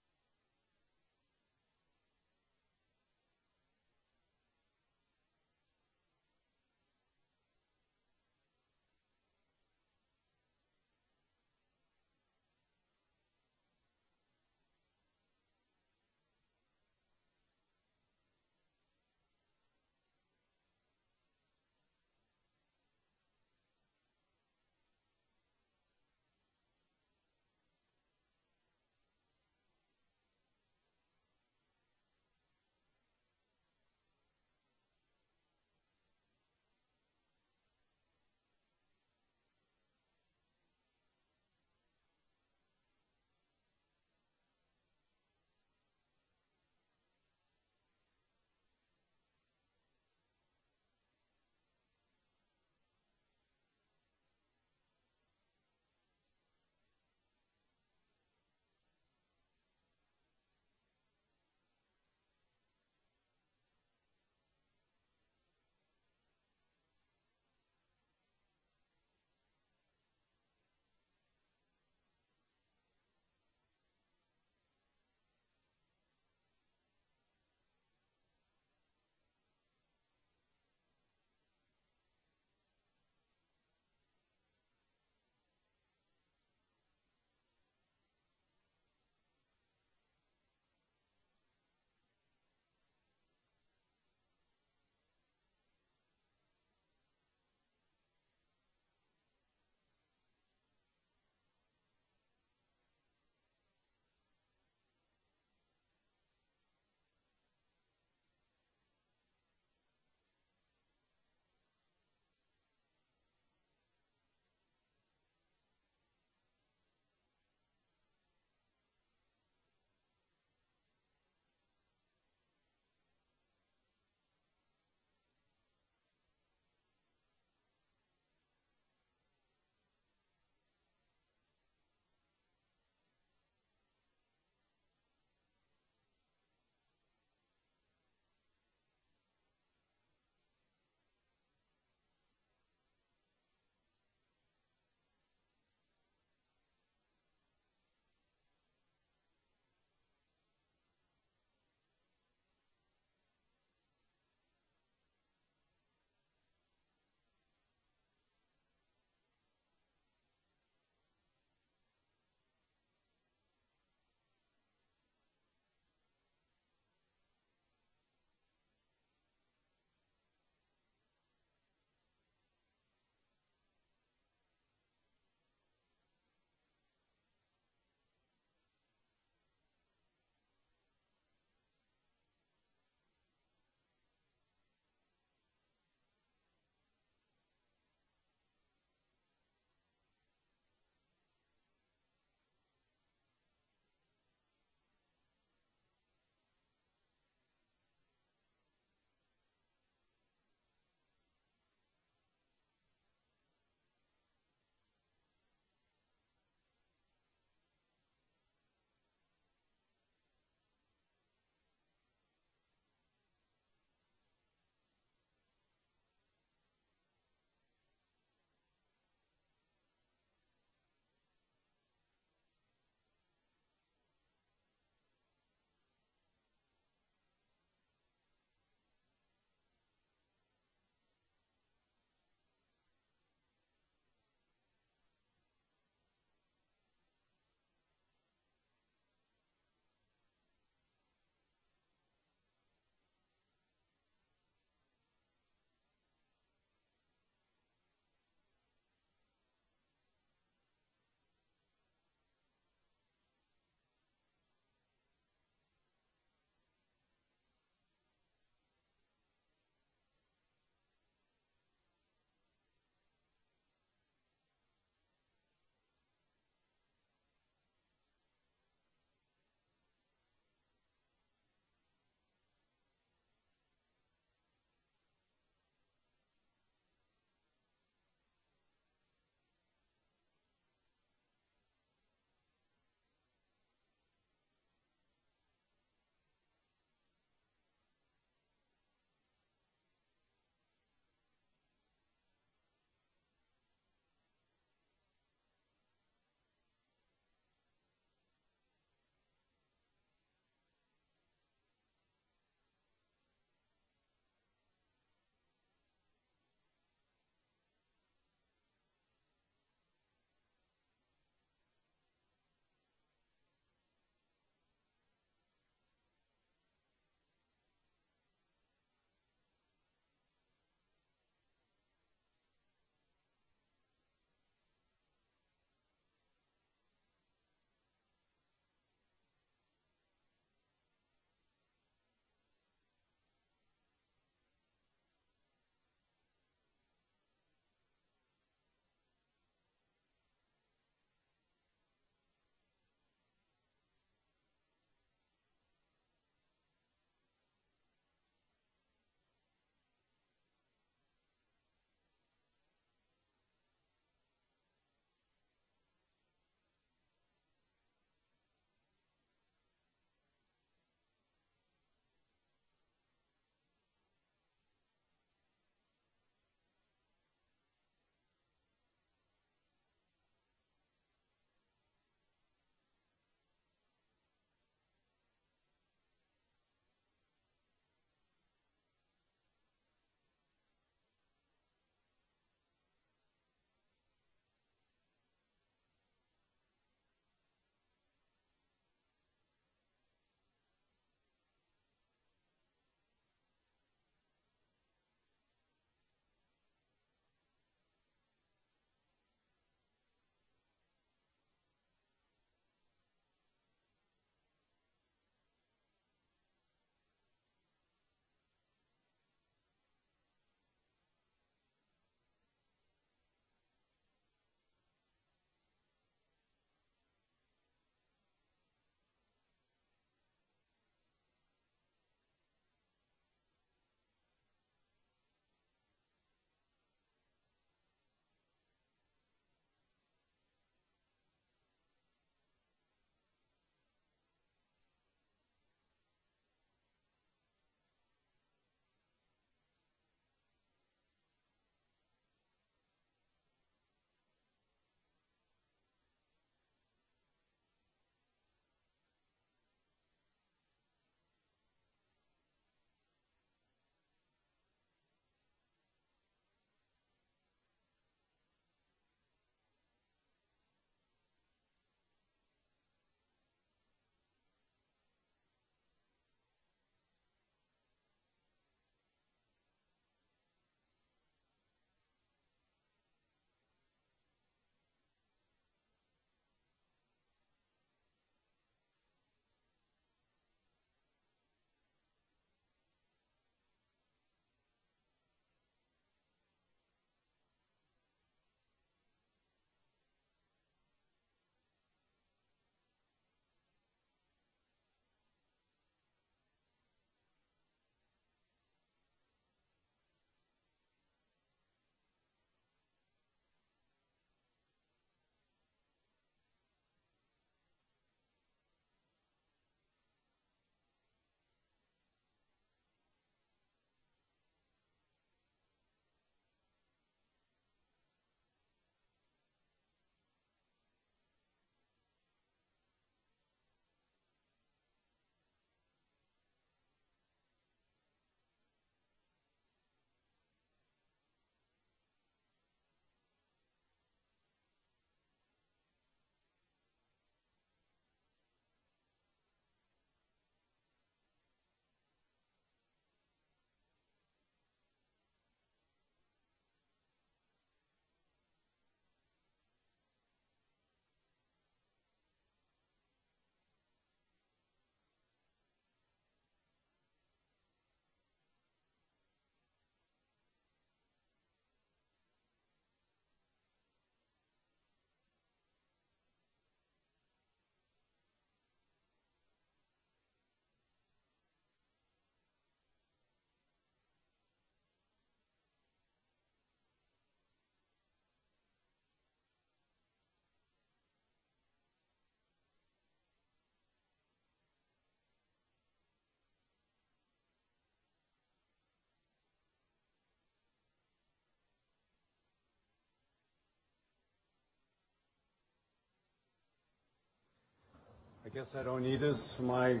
I guess I don't need this, my.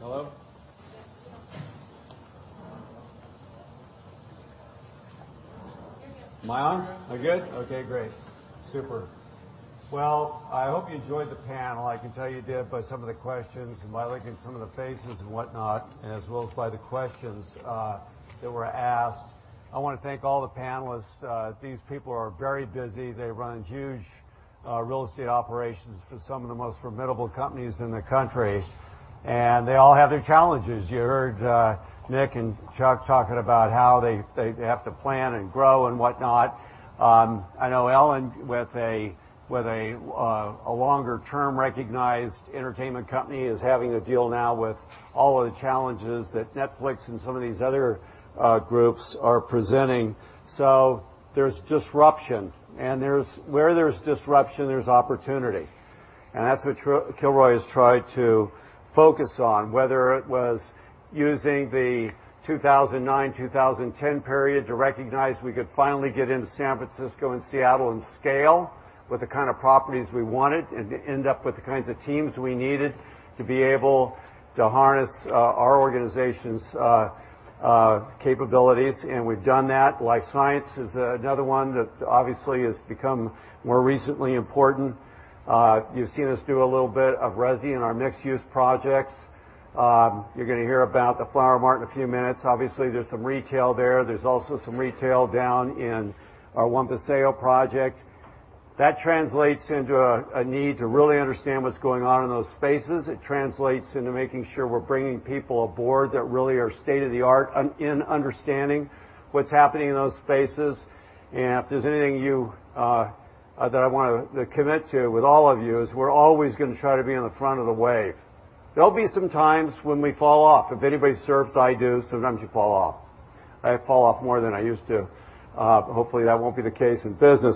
Hello? There you go. Am I on? You're good. Am I good? Okay, great. Super. I hope you enjoyed the panel. I can tell you did by some of the questions and by looking at some of the faces and whatnot, as well as by the questions that were asked. I want to thank all the panelists. These people are very busy. They run huge real estate operations for some of the most formidable companies in the country, and they all have their challenges. You heard Nick and Chuck talking about how they have to plan and grow and whatnot. I know Ellen, with a longer-term recognized entertainment company, is having to deal now with all of the challenges that Netflix and some of these other groups are presenting. There's disruption, and where there's disruption, there's opportunity. That's what Kilroy has tried to focus on, whether it was using the 2009, 2010 period to recognize we could finally get into San Francisco and Seattle and scale with the kind of properties we wanted and end up with the kinds of teams we needed to be able to harness our organization's capabilities. We've done that. Life science is another one that obviously has become more recently important. You've seen us do a little bit of resi in our mixed-use projects. You're going to hear about the Flower Mart in a few minutes. Obviously, there's some retail there. There's also some retail down in our One Paseo project. That translates into a need to really understand what's going on in those spaces. It translates into making sure we're bringing people aboard that really are state-of-the-art in understanding what's happening in those spaces. If there's anything that I want to commit to with all of you is we're always going to try to be on the front of the wave. There'll be some times when we fall off. If anybody surfs, I do. Sometimes you fall off. I fall off more than I used to. Hopefully, that won't be the case in business.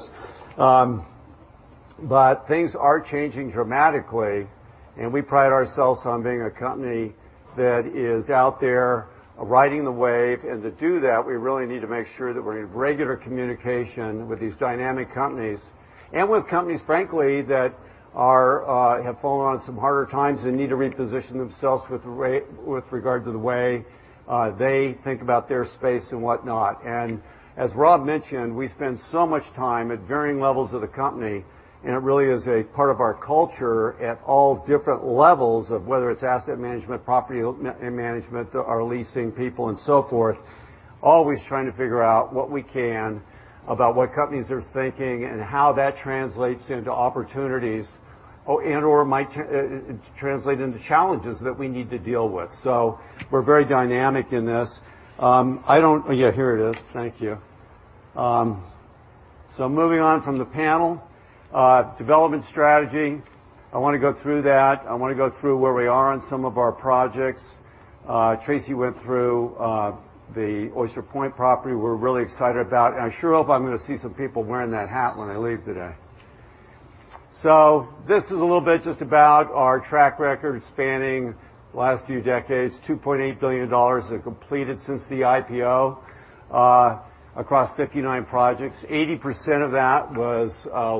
Things are changing dramatically, and we pride ourselves on being a company that is out there riding the wave. To do that, we really need to make sure that we're in regular communication with these dynamic companies and with companies, frankly, that have fallen on some harder times and need to reposition themselves with regard to the way they think about their space and whatnot. As Rob mentioned, we spend so much time at varying levels of the company, and it really is a part of our culture at all different levels of whether it's asset management, property management, our leasing people, and so forth, always trying to figure out what we can about what companies are thinking and how that translates into opportunities or might translate into challenges that we need to deal with. We're very dynamic in this. Yeah, here it is. Thank you. Moving on from the panel. Development strategy, I want to go through that. I want to go through where we are on some of our projects. Tracy went through the Oyster Point property we're really excited about, and I sure hope I'm going to see some people wearing that hat when I leave today. This is a little bit just about our track record spanning the last few decades, $2.8 billion completed since the IPO, across 59 projects. 80% of that was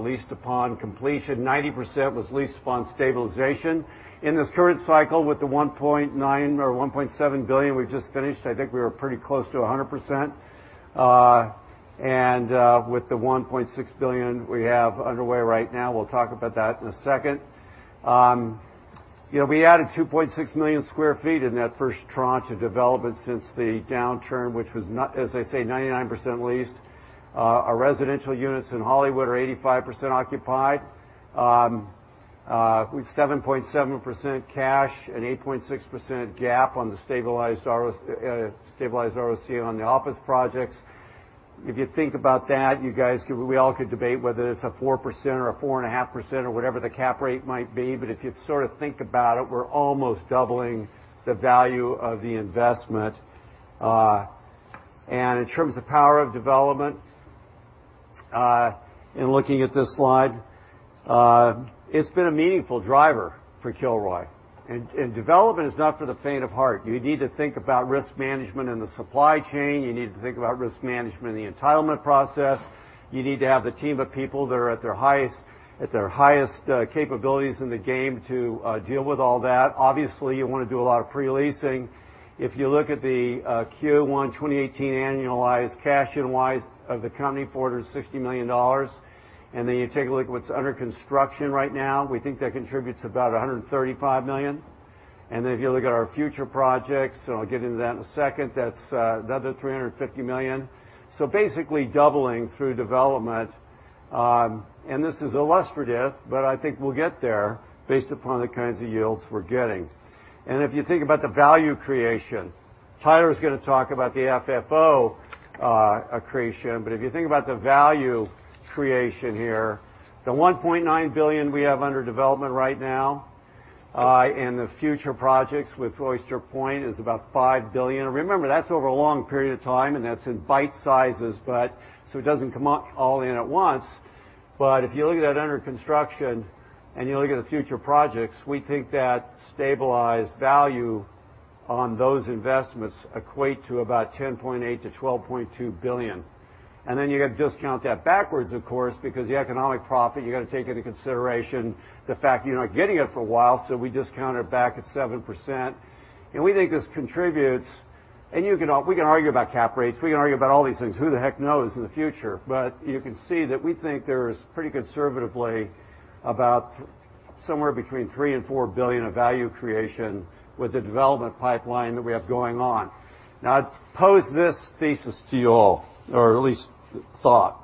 leased upon completion, 90% was leased upon stabilization. With the $1.9 or $1.7 billion we just finished, I think we were pretty close to 100%. With the $1.6 billion we have underway right now, we'll talk about that in a second. We added 2.6 million square feet in that first tranche of development since the downturn, which was, as I say, 99% leased. Our residential units in Hollywood are 85% occupied. With 7.7% cash and 8.6% GAAP on the stabilized ROC on the office projects. If you think about that, we all could debate whether it's a 4% or a 4.5% or whatever the cap rate might be. If you think about it, we're almost doubling the value of the investment. In terms of power of development, in looking at this slide, it's been a meaningful driver for Kilroy. Development is not for the faint of heart. You need to think about risk management in the supply chain. You need to think about risk management in the entitlement process. You need to have the team of people that are at their highest capabilities in the game to deal with all that. Obviously, you want to do a lot of pre-leasing. If you look at the Q1 2018 annualized cash NOI of the company, $460 million, then you take a look at what's under construction right now, we think that contributes about $135 million. If you look at our future projects, and I'll get into that in a second, that's another $350 million. Basically doubling through development. This is illustrative, but I think we'll get there based upon the kinds of yields we're getting. If you think about the value creation, Tyler's going to talk about the FFO accretion, but if you think about the value creation here, the $1.9 billion we have under development right now, and the future projects with Oyster Point is about $5 billion. Remember, that's over a long period of time, and that's in bite sizes, so it doesn't come all in at once. If you look at that under construction and you look at the future projects, we think that stabilized value on those investments equate to about $10.8 billion-$12.2 billion. You got to discount that backwards, of course, because the economic profit, you got to take into consideration the fact that you're not getting it for a while, so we discount it back at 7%. We think this contributes, and we can argue about cap rates. We can argue about all these things. Who the heck knows in the future? You can see that we think there's pretty conservatively about somewhere between $3 billion-$4 billion of value creation with the development pipeline that we have going on. Now, I pose this thesis to you all, or at least thought.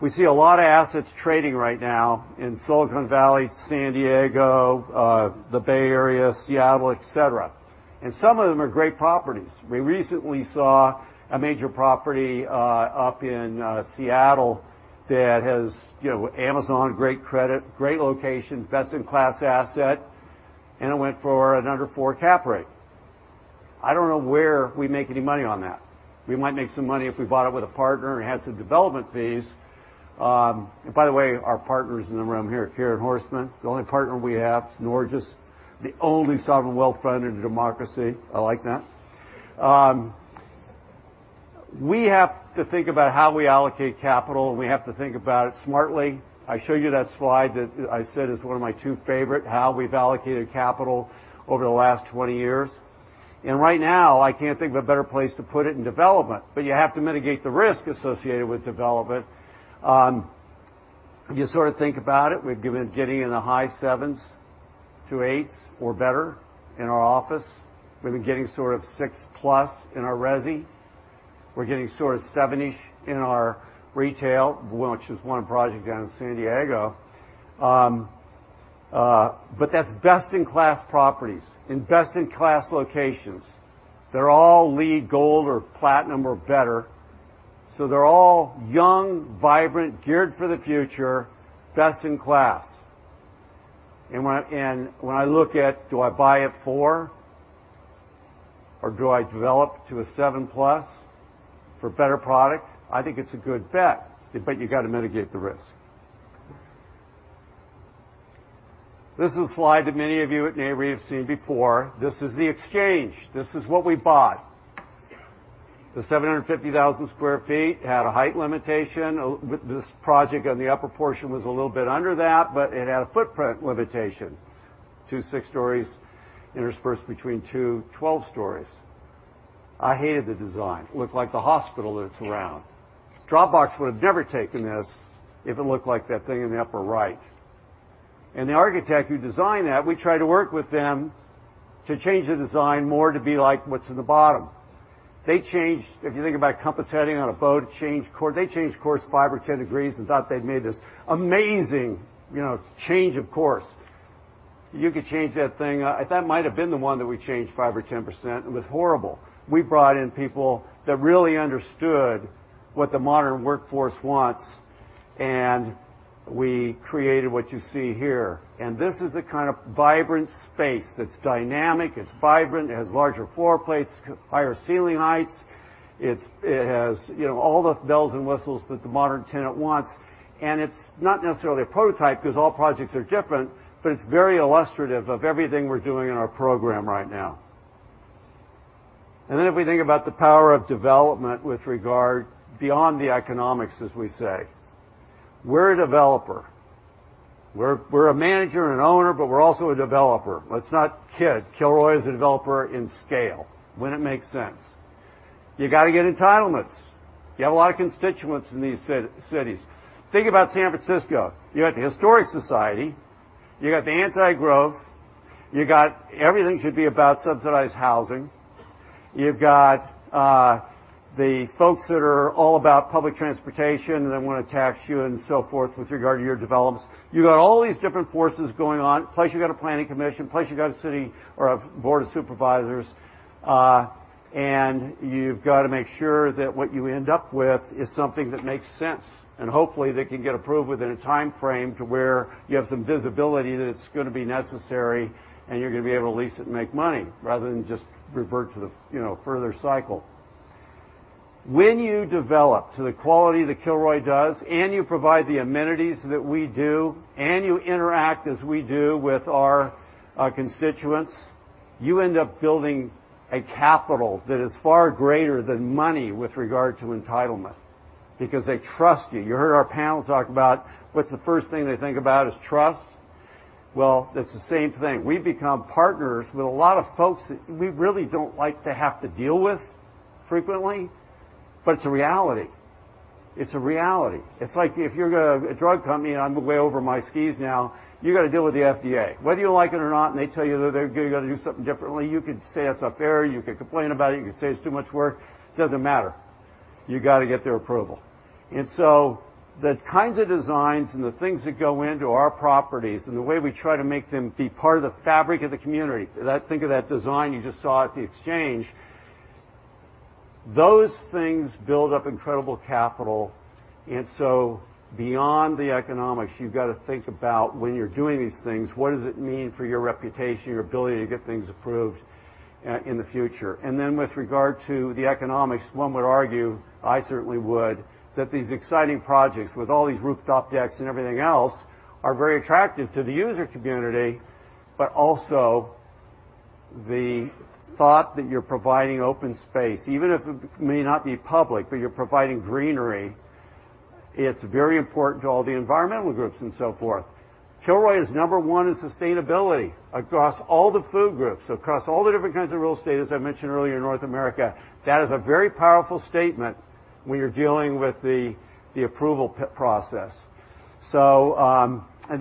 We see a lot of assets trading right now in Silicon Valley, San Diego, the Bay Area, Seattle, et cetera, and some of them are great properties. We recently saw a major property up in Seattle that has Amazon, great credit, great location, best-in-class asset, it went for an under 4 cap rate. I don't know where we make any money on that. We might make some money if we bought it with a partner and had some development fees. By the way, our partner's in the room here, Karen Horstmann. The only partner we have, is Norges, the only sovereign wealth fund in a democracy. I like that. We have to think about how we allocate capital, and we have to think about it smartly. I showed you that slide that I said is one of my two favorite, how we've allocated capital over the last 20 years. Right now, I can't think of a better place to put it in development. You have to mitigate the risk associated with development. You sort of think about it. We've been getting in the high 7s to 8s or better in our office. We've been getting sort of 6-plus in our resi. We're getting sort of 7-ish in our retail, which is one project down in San Diego. That's best-in-class properties in best-in-class locations. They're all LEED Gold or Platinum or better. They're all young, vibrant, geared for the future, best in class. When I look at do I buy at 4 or do I develop to a 7-plus for better product, I think it's a good bet, you got to mitigate the risk. This is a slide that many of you at Nareit have seen before. This is The Exchange. This is what we bought. The 750,000 sq ft had a height limitation. This project on the upper portion was a little bit under that, but it had a footprint limitation, two six stories interspersed between two 12 stories. I hated the design. It looked like the hospital that's around. Dropbox would have never taken this if it looked like that thing in the upper right. The architect who designed that, we tried to work with them to change the design more to be like what's in the bottom. If you think about compass heading on a boat, they changed course five or 10 degrees and thought they'd made this amazing change of course. You could change that thing. That might have been the one that we changed 5% or 10%. It was horrible. We brought in people that really understood what the modern workforce wants, we created what you see here. This is the kind of vibrant space that's dynamic, it's vibrant, it has larger floor plates, higher ceiling heights. It has all the bells and whistles that the modern tenant wants. It's not necessarily a prototype because all projects are different, but it's very illustrative of everything we're doing in our program right now. Then if we think about the power of development with regard beyond the economics, as we say. We're a developer. We're a manager and owner, but we're also a developer. Let's not kid. Kilroy is a developer in scale, when it makes sense. You got to get entitlements. You have a lot of constituents in these cities. Think about San Francisco. You got the historic society, you got the anti-growth, you got everything should be about subsidized housing. You've got the folks that are all about public transportation and then want to tax you and so forth with regard to your developments. You got all these different forces going on. Plus, you got a planning commission. Plus, you got a city or a board of supervisors, and you've got to make sure that what you end up with is something that makes sense, and hopefully, that can get approved within a time frame to where you have some visibility that it's going to be necessary, and you're going to be able to lease it and make money rather than just revert to the further cycle. When you develop to the quality that Kilroy does, and you provide the amenities that we do, and you interact as we do with our constituents, you end up building a capital that is far greater than money with regard to entitlement because they trust you. You heard our panel talk about what's the first thing they think about is trust. Well, it's the same thing. We've become partners with a lot of folks that we really don't like to have to deal with frequently, but it's a reality. It's a reality. It's like if you're a drug company, and I'm way over my skis now, you got to deal with the FDA. Whether you like it or not, and they tell you that they're going to do something differently, you could say that's not fair. You could complain about it. You could say it's too much work. It doesn't matter. You got to get their approval. The kinds of designs and the things that go into our properties and the way we try to make them be part of the fabric of the community. Think of that design you just saw at the Exchange. Those things build up incredible capital. Beyond the economics, you've got to think about when you're doing these things, what does it mean for your reputation, your ability to get things approved in the future? Then with regard to the economics, one would argue, I certainly would, that these exciting projects with all these rooftop decks and everything else are very attractive to the user community, but also the thought that you're providing open space, even if it may not be public, but you're providing greenery. It's very important to all the environmental groups and so forth. Kilroy is number one in sustainability across all the food groups, across all the different kinds of real estate, as I mentioned earlier, in North America. That is a very powerful statement when you're dealing with the approval process. I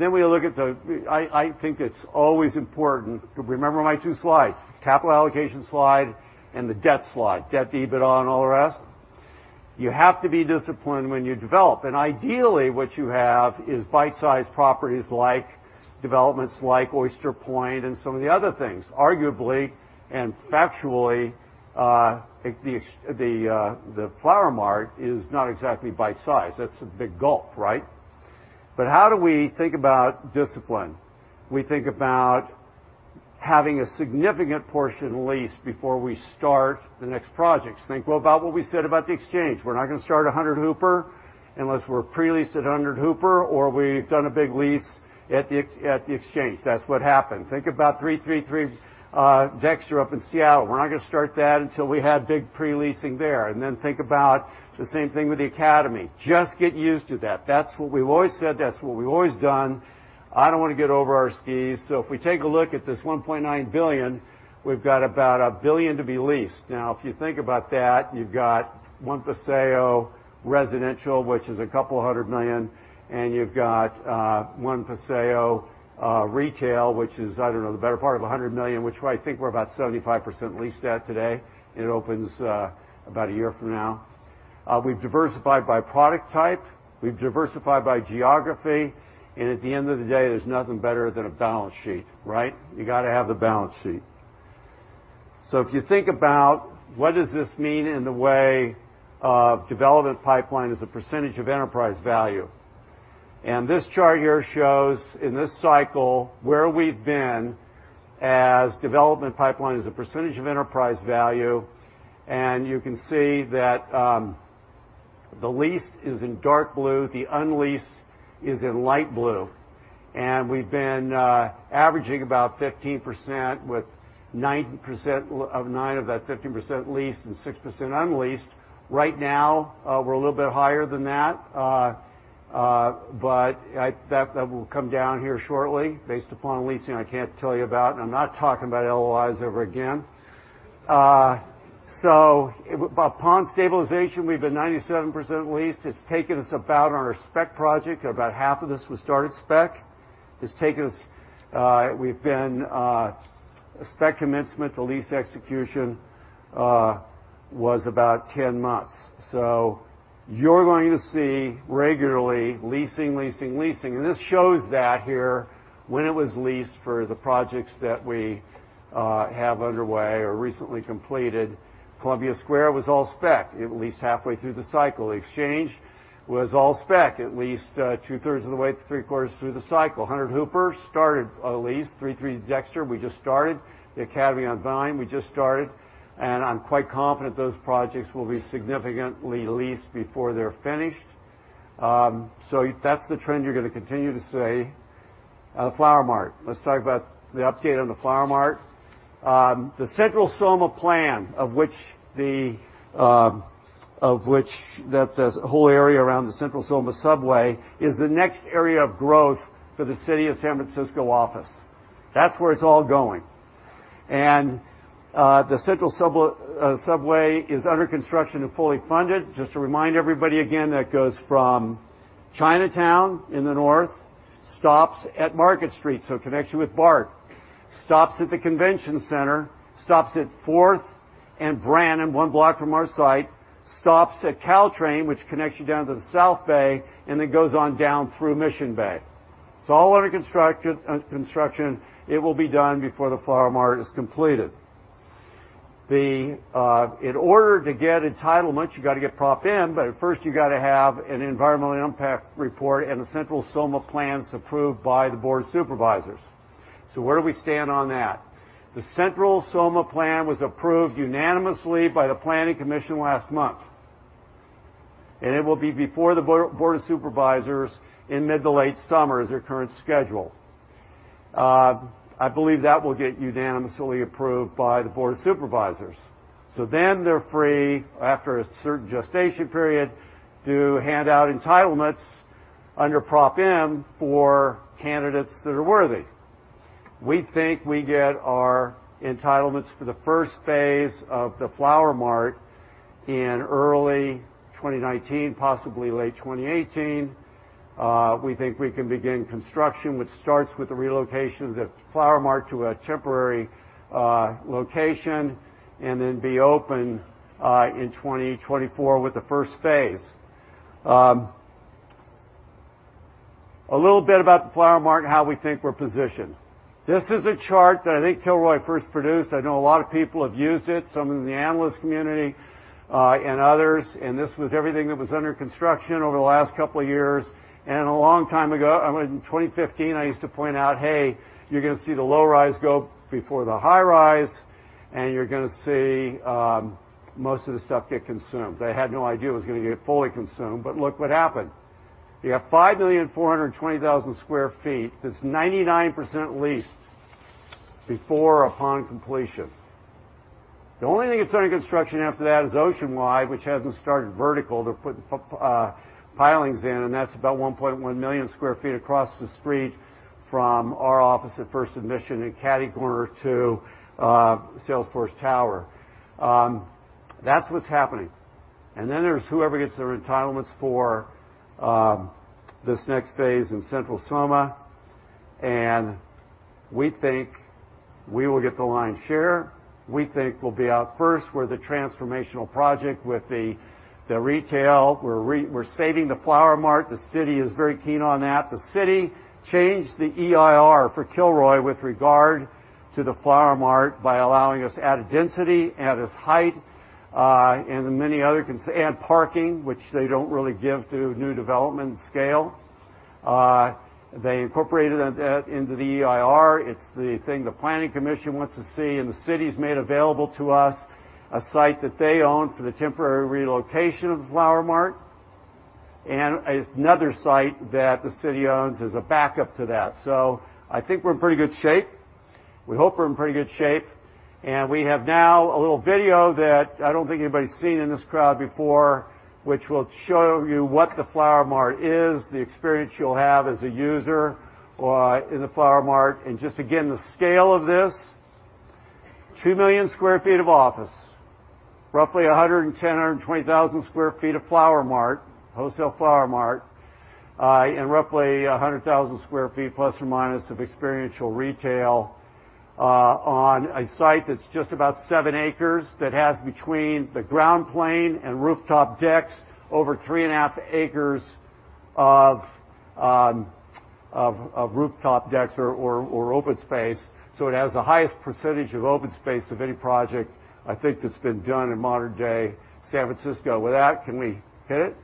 think it's always important to remember my two slides, capital allocation slide and the debt slide, debt to EBITDA and all the rest. You have to be disciplined when you develop. Ideally, what you have is bite-sized properties like developments like Oyster Point and some of the other things. Arguably and factually, the Flower Mart is not exactly bite-size. That's a big gulp, right? How do we think about discipline? We think about having a significant portion leased before we start the next project. Think about what we said about the Exchange. We're not going to start 100 Hooper unless we're pre-leased at 100 Hooper or we've done a big lease at the Exchange. That's what happened. Think about 333 Dexter up in Seattle. We're not going to start that until we had big pre-leasing there. Think about the same thing with the Academy. Just get used to that. That's what we've always said. That's what we've always done. I don't want to get over our skis. If we take a look at this $1.9 billion, we've got about $1 billion to be leased. Now, if you think about that, you've got One Paseo residential, which is $200 million, and you've got One Paseo retail, which is, I don't know, the better part of $100 million, which I think we're about 75% leased at today. It opens about a year from now. We've diversified by product type. We've diversified by geography. At the end of the day, there's nothing better than a balance sheet, right? You got to have the balance sheet. If you think about what does this mean in the way of development pipeline as a % of enterprise value. This chart here shows in this cycle where we've been as development pipeline as a % of enterprise value, and you can see that the leased is in dark blue, the unleased is in light blue, and we've been averaging about 15% with 9% of that 15% leased and 6% unleased. Right now, we're a little bit higher than that, but that will come down here shortly based upon leasing I can't tell you about, and I'm not talking about LOIs ever again. Upon stabilization, we've been 97% leased. It's taken us about on our spec project, about half of this was started spec. It's taken us. We've been Spec commencement to lease execution was about 10 months. You're going to see regularly leasing. This shows that here, when it was leased for the projects that we have underway or recently completed, Columbia Square was all spec, at least halfway through the cycle. Exchange was all spec, at least two-thirds of the way to three-quarters through the cycle. 100 Hooper started a lease. 333 Dexter, we just started. The Academy on Vine, we just started, and I'm quite confident those projects will be significantly leased before they're finished. That's the trend you're going to continue to see. The Flower Mart. Let's talk about the update on the Flower Mart. The Central SoMa Plan, that's a whole area around the Central Subway, is the next area of growth for the city of San Francisco office. That's where it's all going. The Central Subway is under construction and fully funded. Just to remind everybody again, that goes from Chinatown in the north, stops at Market Street, so it connects you with BART, stops at the Convention Center, stops at 4th and Brannan, one block from our site, stops at Caltrain, which connects you down to the South Bay, and then goes on down through Mission Bay. It's all under construction. It will be done before the Flower Mart is completed. In order to get entitlements, you got to get Proposition M, first you got to have an environmental impact report, and the Central SoMa Plan's approved by the board of supervisors. Where do we stand on that? The Central SoMa Plan was approved unanimously by the Planning Commission last month, and it will be before the board of supervisors in mid to late summer, is their current schedule. I believe that will get unanimously approved by the board of supervisors. They're free, after a certain gestation period, to hand out entitlements under Prop M for candidates that are worthy. We think we get our entitlements for the first phase of the Flower Mart in early 2019, possibly late 2018. We think we can begin construction, which starts with the relocation of the Flower Mart to a temporary location, and then be open in 2024 with the first phase. A little bit about the Flower Mart and how we think we're positioned. This is a chart that I think Kilroy first produced. I know a lot of people have used it, some in the analyst community, and others, and this was everything that was under construction over the last couple of years. A long time ago, in 2015, I used to point out, "Hey, you're going to see the low-rise go before the high-rise, and you're going to see most of the stuff get consumed." I had no idea it was going to get fully consumed, but look what happened. You have 5,420,000 sq ft that's 99% leased before or upon completion. The only thing that's under construction after that is Oceanwide, which hasn't started vertical. They're putting pilings in, and that's about 1.1 million sq ft across the street from our office at First and Mission and catty-corner to Salesforce Tower. That's what's happening. Then there's whoever gets their entitlements for this next phase in Central SoMa, and we think we will get the lion's share. We think we'll be out first. We're the transformational project with the retail. We're saving the Flower Mart. The city is very keen on that. The city changed the EIR for Kilroy with regard to the Flower Mart by allowing us added density, added height, and parking, which they don't really give to new development scale. They incorporated that into the EIR. It's the thing the Planning Commission wants to see, and the city's made available to us a site that they own for the temporary relocation of the Flower Mart, and another site that the city owns as a backup to that. I think we're in pretty good shape. We hope we're in pretty good shape. We have now a little video that I don't think anybody's seen in this crowd before, which will show you what the Flower Mart is, the experience you'll have as a user in the Flower Mart, and just again, the scale of this. 2 million sq ft of office, roughly 110,000, 120,000 sq ft of wholesale Flower Mart, and roughly 100,000 sq ft, plus or minus, of experiential retail on a site that's just about seven acres, that has between the ground plane and rooftop decks, over three and a half acres of rooftop decks or open space. It has the highest percentage of open space of any project I think that's been done in modern-day San Francisco. With that, can we hit it?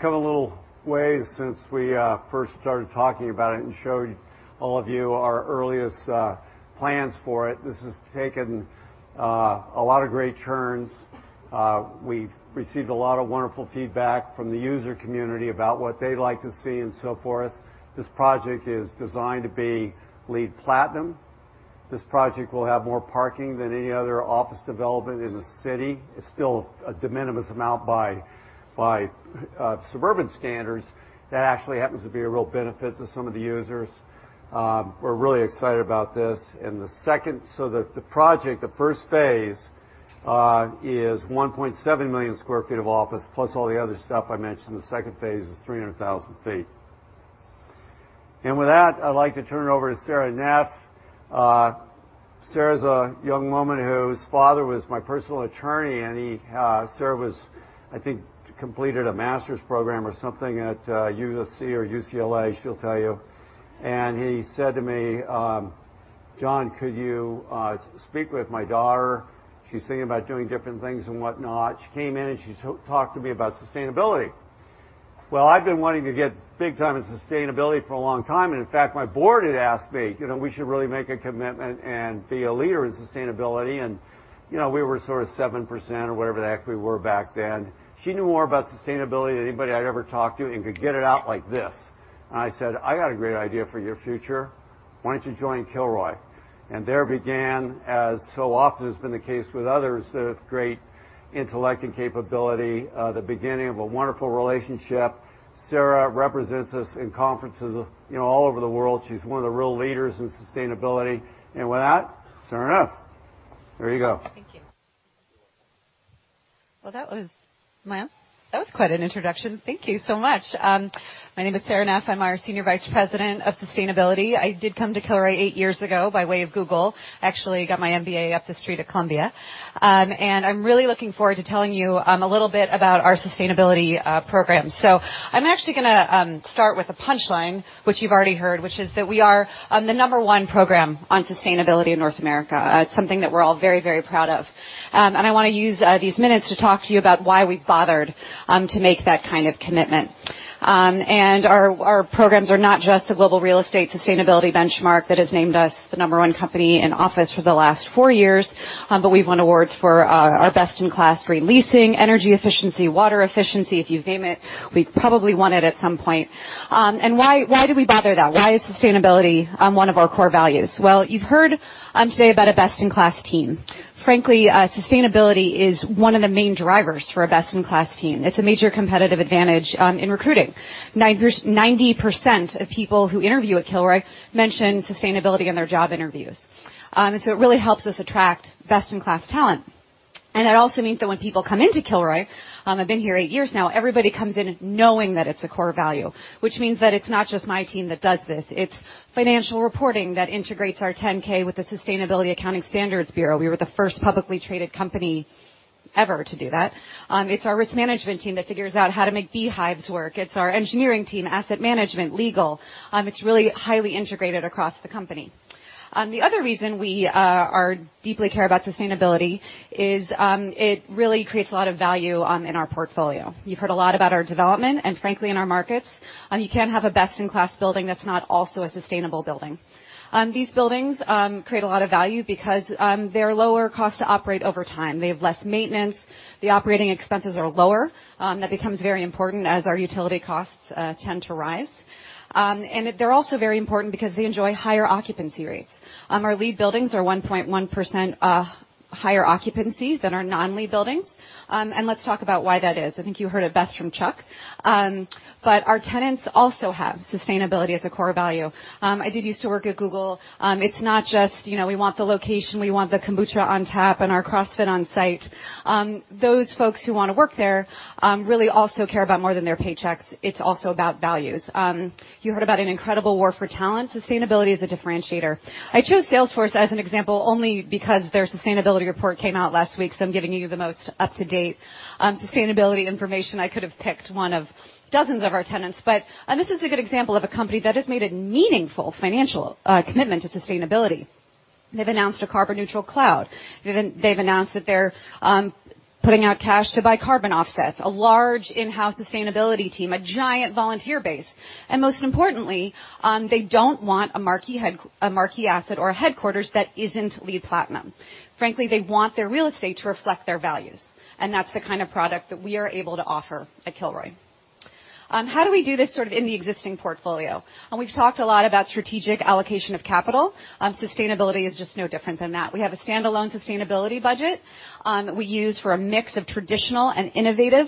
It's come a little way since we first started talking about it and showed all of you our earliest plans for it. This has taken a lot of great turns. We've received a lot of wonderful feedback from the user community about what they'd like to see and so forth. This project is designed to be LEED Platinum. This project will have more parking than any other office development in the city. It's still a de minimis amount by suburban standards. That actually happens to be a real benefit to some of the users. We're really excited about this. The project, the first phase, is 1.7 million sq ft of office, plus all the other stuff I mentioned. The second phase is 300,000 sq ft. With that, I'd like to turn it over to Sara Neff. Sara's a young woman whose father was my personal attorney. Sara, I think, completed a master's program or something at USC or UCLA, she'll tell you. He said to me, "John, could you speak with my daughter? She's thinking about doing different things and whatnot." She came in and she talked to me about sustainability. Well, I've been wanting to get big time in sustainability for a long time. In fact, my board had asked me, we should really make a commitment and be a leader in sustainability, and we were sort of 7% or whatever the heck we were back then. She knew more about sustainability than anybody I'd ever talked to and could get it out like this. I said, "I got a great idea for your future. Why don't you join Kilroy?" There began, as so often has been the case with others of great intellect and capability, the beginning of a wonderful relationship. Sara represents us in conferences all over the world. She's one of the real leaders in sustainability. With that, Sara Neff, there you go. Thank you. You're welcome. Well, that was quite an introduction. Thank you so much. My name is Sara Neff. I'm our Senior Vice President of Sustainability. I did come to Kilroy eight years ago by way of Google. Actually, got my MBA up the street at Columbia. I'm really looking forward to telling you a little bit about our sustainability program. I'm actually going to start with a punchline, which you've already heard, which is that we are the number one program on sustainability in North America. It's something that we're all very proud of. I want to use these minutes to talk to you about why we bothered to make that kind of commitment. Our programs are not just a global real estate sustainability benchmark that has named us the number one company in office for the last four years, but we've won awards for our best-in-class re-leasing, energy efficiency, water efficiency. If you name it, we've probably won it at some point. Why do we bother, though? Why is sustainability one of our core values? Well, you've heard today about a best-in-class team. Frankly, sustainability is one of the main drivers for a best-in-class team. It's a major competitive advantage in recruiting. 90% of people who interview at Kilroy mention sustainability in their job interviews. It really helps us attract best-in-class talent. It also means that when people come into Kilroy, I've been here eight years now, everybody comes in knowing that it's a core value. Which means that it's not just my team that does this, it's financial reporting that integrates our 10-K with the Sustainability Accounting Standards Board. We were the first publicly traded company ever to do that. It's our risk management team that figures out how to make beehives work. It's our engineering team, asset management, legal. It's really highly integrated across the company. The other reason we deeply care about sustainability is it really creates a lot of value in our portfolio. You've heard a lot about our development and frankly, in our markets. You can't have a best-in-class building that's not also a sustainable building. These buildings create a lot of value because they're lower cost to operate over time. They have less maintenance. The operating expenses are lower. That becomes very important as our utility costs tend to rise. They're also very important because they enjoy higher occupancy rates. Our LEED buildings are 1.1% higher occupancy than our non-LEED buildings. Let's talk about why that is. I think you heard it best from Chuck. Our tenants also have sustainability as a core value. I did used to work at Google. It's not just we want the location, we want the kombucha on tap, and our CrossFit on site. Those folks who want to work there really also care about more than their paychecks. It's also about values. You heard about an incredible war for talent. Sustainability is a differentiator. I chose Salesforce as an example only because their sustainability report came out last week, so I'm giving you the most up-to-date sustainability information. I could have picked one of dozens of our tenants. This is a good example of a company that has made a meaningful financial commitment to sustainability. They've announced a carbon neutral cloud. They've announced that they're putting out cash to buy carbon offsets, a large in-house sustainability team, a giant volunteer base, and most importantly, they don't want a marquee asset or a headquarters that isn't LEED Platinum. Frankly, they want their real estate to reflect their values, and that's the kind of product that we are able to offer at Kilroy. How do we do this sort of in the existing portfolio? We've talked a lot about strategic allocation of capital. Sustainability is just no different than that. We have a standalone sustainability budget that we use for a mix of traditional and innovative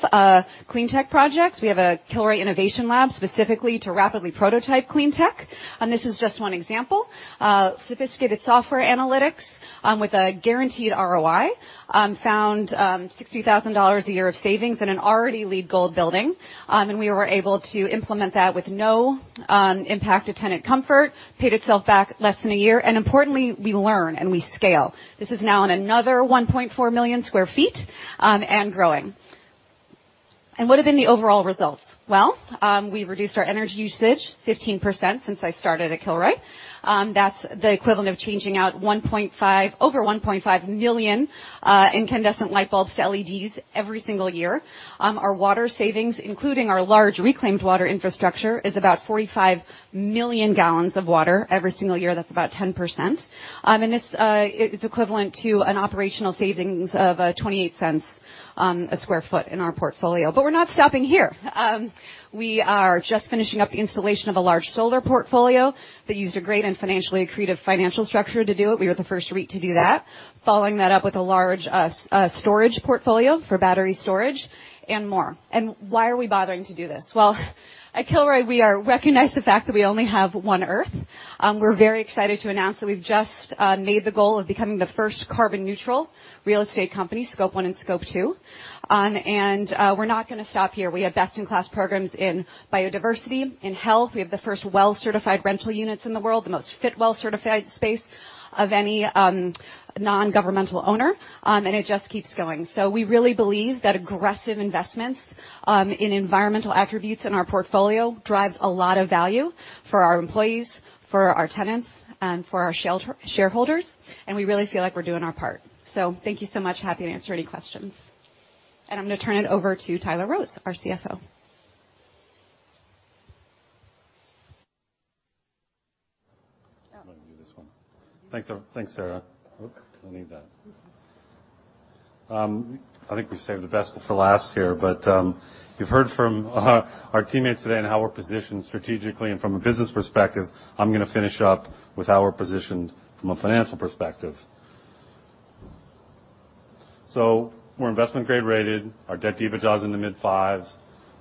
clean tech projects. We have a Kilroy Innovation Lab specifically to rapidly prototype clean tech, and this is just one example. Sophisticated software analytics, with a guaranteed ROI, found $60,000 a year of savings in an already LEED Gold building, and we were able to implement that with no impact to tenant comfort. Paid itself back less than a year. Importantly, we learn, and we scale. This is now in another 1.4 million square feet, and growing. What have been the overall results? Well, we've reduced our energy usage 15% since I started at Kilroy. That's the equivalent of changing out over 1.5 million incandescent light bulbs to LEDs every single year. Our water savings, including our large reclaimed water infrastructure, is about 45 million gallons of water every single year. That's about 10%. This is equivalent to an operational savings of $0.28 a square foot in our portfolio. We're not stopping here. We are just finishing up the installation of a large solar portfolio that used a great and financially creative financial structure to do it. We were the first REIT to do that. Following that up with a large storage portfolio for battery storage and more. Why are we bothering to do this? Well, at Kilroy, we recognize the fact that we only have one Earth. We're very excited to announce that we've just made the goal of becoming the first carbon neutral real estate company, Scope 1 and Scope 2. We're not going to stop here. We have best-in-class programs in biodiversity, in health. We have the first WELL-certified rental units in the world, the most Fitwel certified space of any non-governmental owner, and it just keeps going. We really believe that aggressive investments in environmental attributes in our portfolio drives a lot of value for our employees, for our tenants, and for our shareholders. We really feel like we're doing our part. Thank you so much. Happy to answer any questions. I'm going to turn it over to Tyler Rose, our CFO. I'm going to do this one. Thanks, Sara. Oh, don't need that. You've heard from our teammates today on how we're positioned strategically and from a business perspective. I'm going to finish up with how we're positioned from a financial perspective. We're investment grade rated. Our debt EBITDA's in the mid-5s.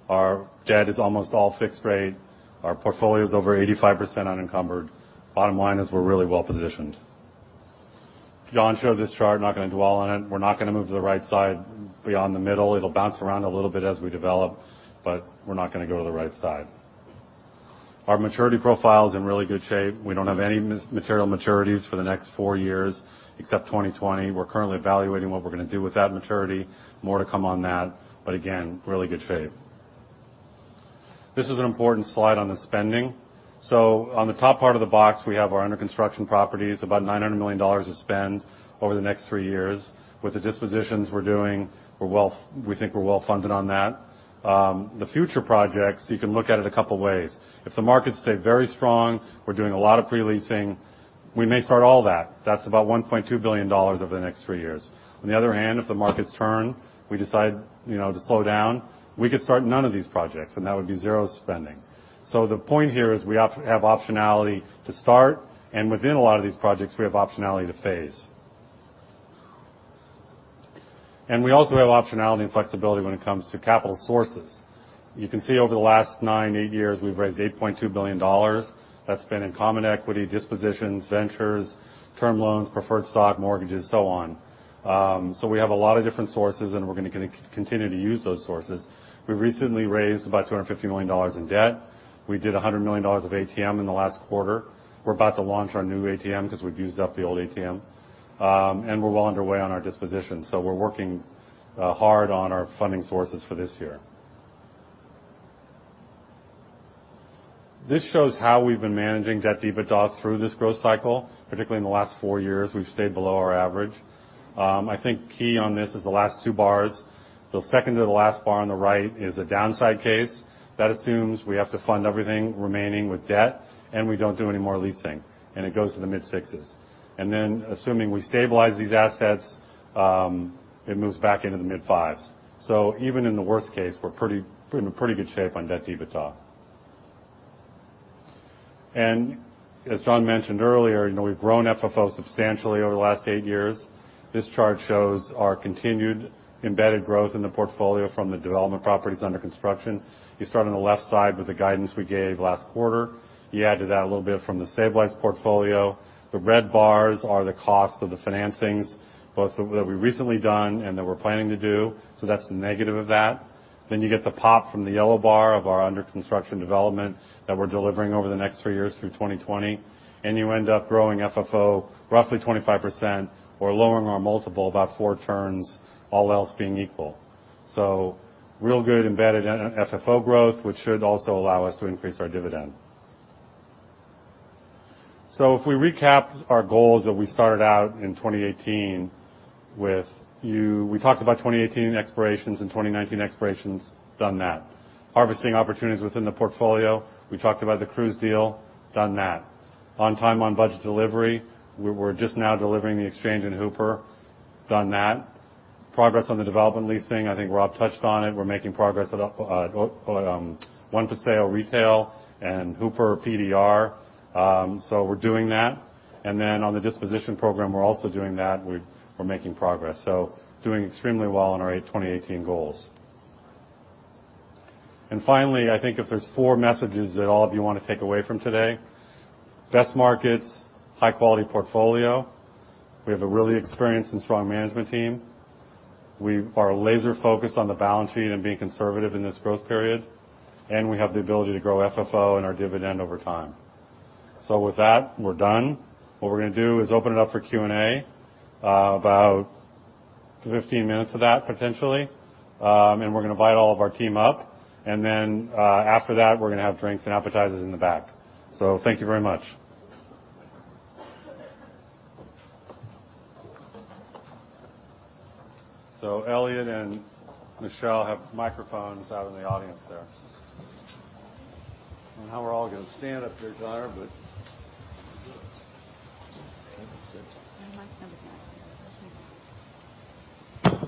Our debt is almost all fixed rate. Our portfolio is over 85% unencumbered. Bottom line is we're really well positioned. John showed this chart, not going to dwell on it. We're not going to move to the right side beyond the middle. It'll bounce around a little bit as we develop, but we're not going to go to the right side. Our maturity profile is in really good shape. We don't have any material maturities for the next four years, except 2020. We're currently evaluating what we're going to do with that maturity. More to come on that, again, really good shape. This is an important slide on the spending. On the top part of the box, we have our under construction properties, about $900 million of spend over the next three years. With the dispositions we're doing, we think we're well funded on that. The future projects, you can look at it a couple ways. If the markets stay very strong, we're doing a lot of pre-leasing, we may start all that. That's about $1.2 billion over the next three years. On the other hand, if the markets turn, we decide to slow down, we could start none of these projects, and that would be zero spending. The point here is we have optionality to start, and within a lot of these projects, we have optionality to phase. We also have optionality and flexibility when it comes to capital sources. You can see over the last nine, eight years, we've raised $8.2 billion. That's been in common equity, dispositions, ventures, term loans, preferred stock, mortgages, so on. We have a lot of different sources, and we're going to continue to use those sources. We recently raised about $250 million in debt. We did $100 million of ATM in the last quarter. We're about to launch our new ATM because we've used up the old ATM. We're well underway on our disposition. We're working hard on our funding sources for this year. This shows how we've been managing debt EBITDA through this growth cycle. Particularly in the last four years, we've stayed below our average. I think key on this is the last two bars. The second to the last bar on the right is a downside case. That assumes we have to fund everything remaining with debt, we don't do any more leasing, and it goes to the mid-6s. Then assuming we stabilize these assets, it moves back into the mid-5s. Even in the worst case, we're in pretty good shape on debt EBITDA. As John mentioned earlier, we've grown FFO substantially over the last 8 years. This chart shows our continued embedded growth in the portfolio from the development properties under construction. Start on the left side with the guidance we gave last quarter. Add to that a little bit from the stabilized portfolio. The red bars are the cost of the financings, both that we've recently done and that we're planning to do. That's the negative of that. You get the pop from the yellow bar of our under construction development that we're delivering over the next three years through 2020, and you end up growing FFO roughly 25% or lowering our multiple about four turns, all else being equal. Real good embedded FFO growth, which should also allow us to increase our dividend. If we recap our goals that we started out in 2018 with you, we talked about 2018 expirations and 2019 expirations, done that. Harvesting opportunities within the portfolio. We talked about the Cruise deal, done that. On time, on budget delivery. We're just now delivering the Exchange in Hooper, done that. Progress on the development leasing. I think Rob touched on it. We're making progress at One Paseo Retail and Hooper PDR. We're doing that. On the disposition program, we're also doing that. We're making progress. Doing extremely well on our 2018 goals. Finally, I think if there's four messages that all of you want to take away from today, best markets, high-quality portfolio. We have a really experienced and strong management team. We are laser-focused on the balance sheet and being conservative in this growth period. We have the ability to grow FFO and our dividend over time. With that, we're done. What we're going to do is open it up for Q&A, about 15 minutes of that potentially. We're going to invite all of our team up, and then after that, we're going to have drinks and appetizers in the back. Thank you very much. Eliott and Michelle have microphones out in the audience there. I don't know how we're all going to stand up here, John, but I think it's simple. The mic's never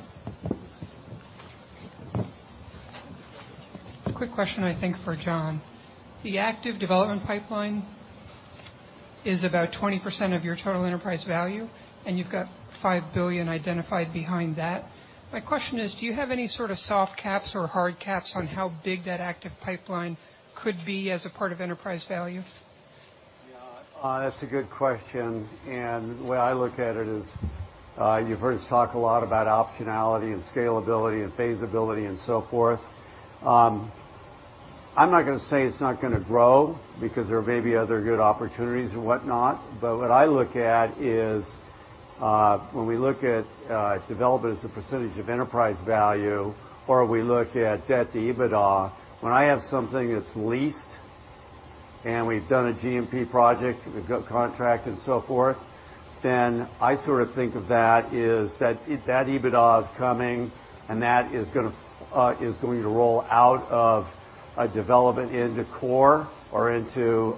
going to. A quick question, I think, for John. The active development pipeline is about 20% of your total enterprise value, and you've got $5 billion identified behind that. My question is, do you have any sort of soft caps or hard caps on how big that active pipeline could be as a part of enterprise value? Yeah. That's a good question, the way I look at it is, you've heard us talk a lot about optionality and scalability and phase ability and so forth. I'm not going to say it's not going to grow because there may be other good opportunities and whatnot. What I look at is, when we look at development as a percentage of enterprise value, or we look at debt to EBITDA. When I have something that's leased and we've done a GMP project, we've got contract and so forth, then I sort of think of that is that EBITDA is coming, and that is going to roll out of a development into core or into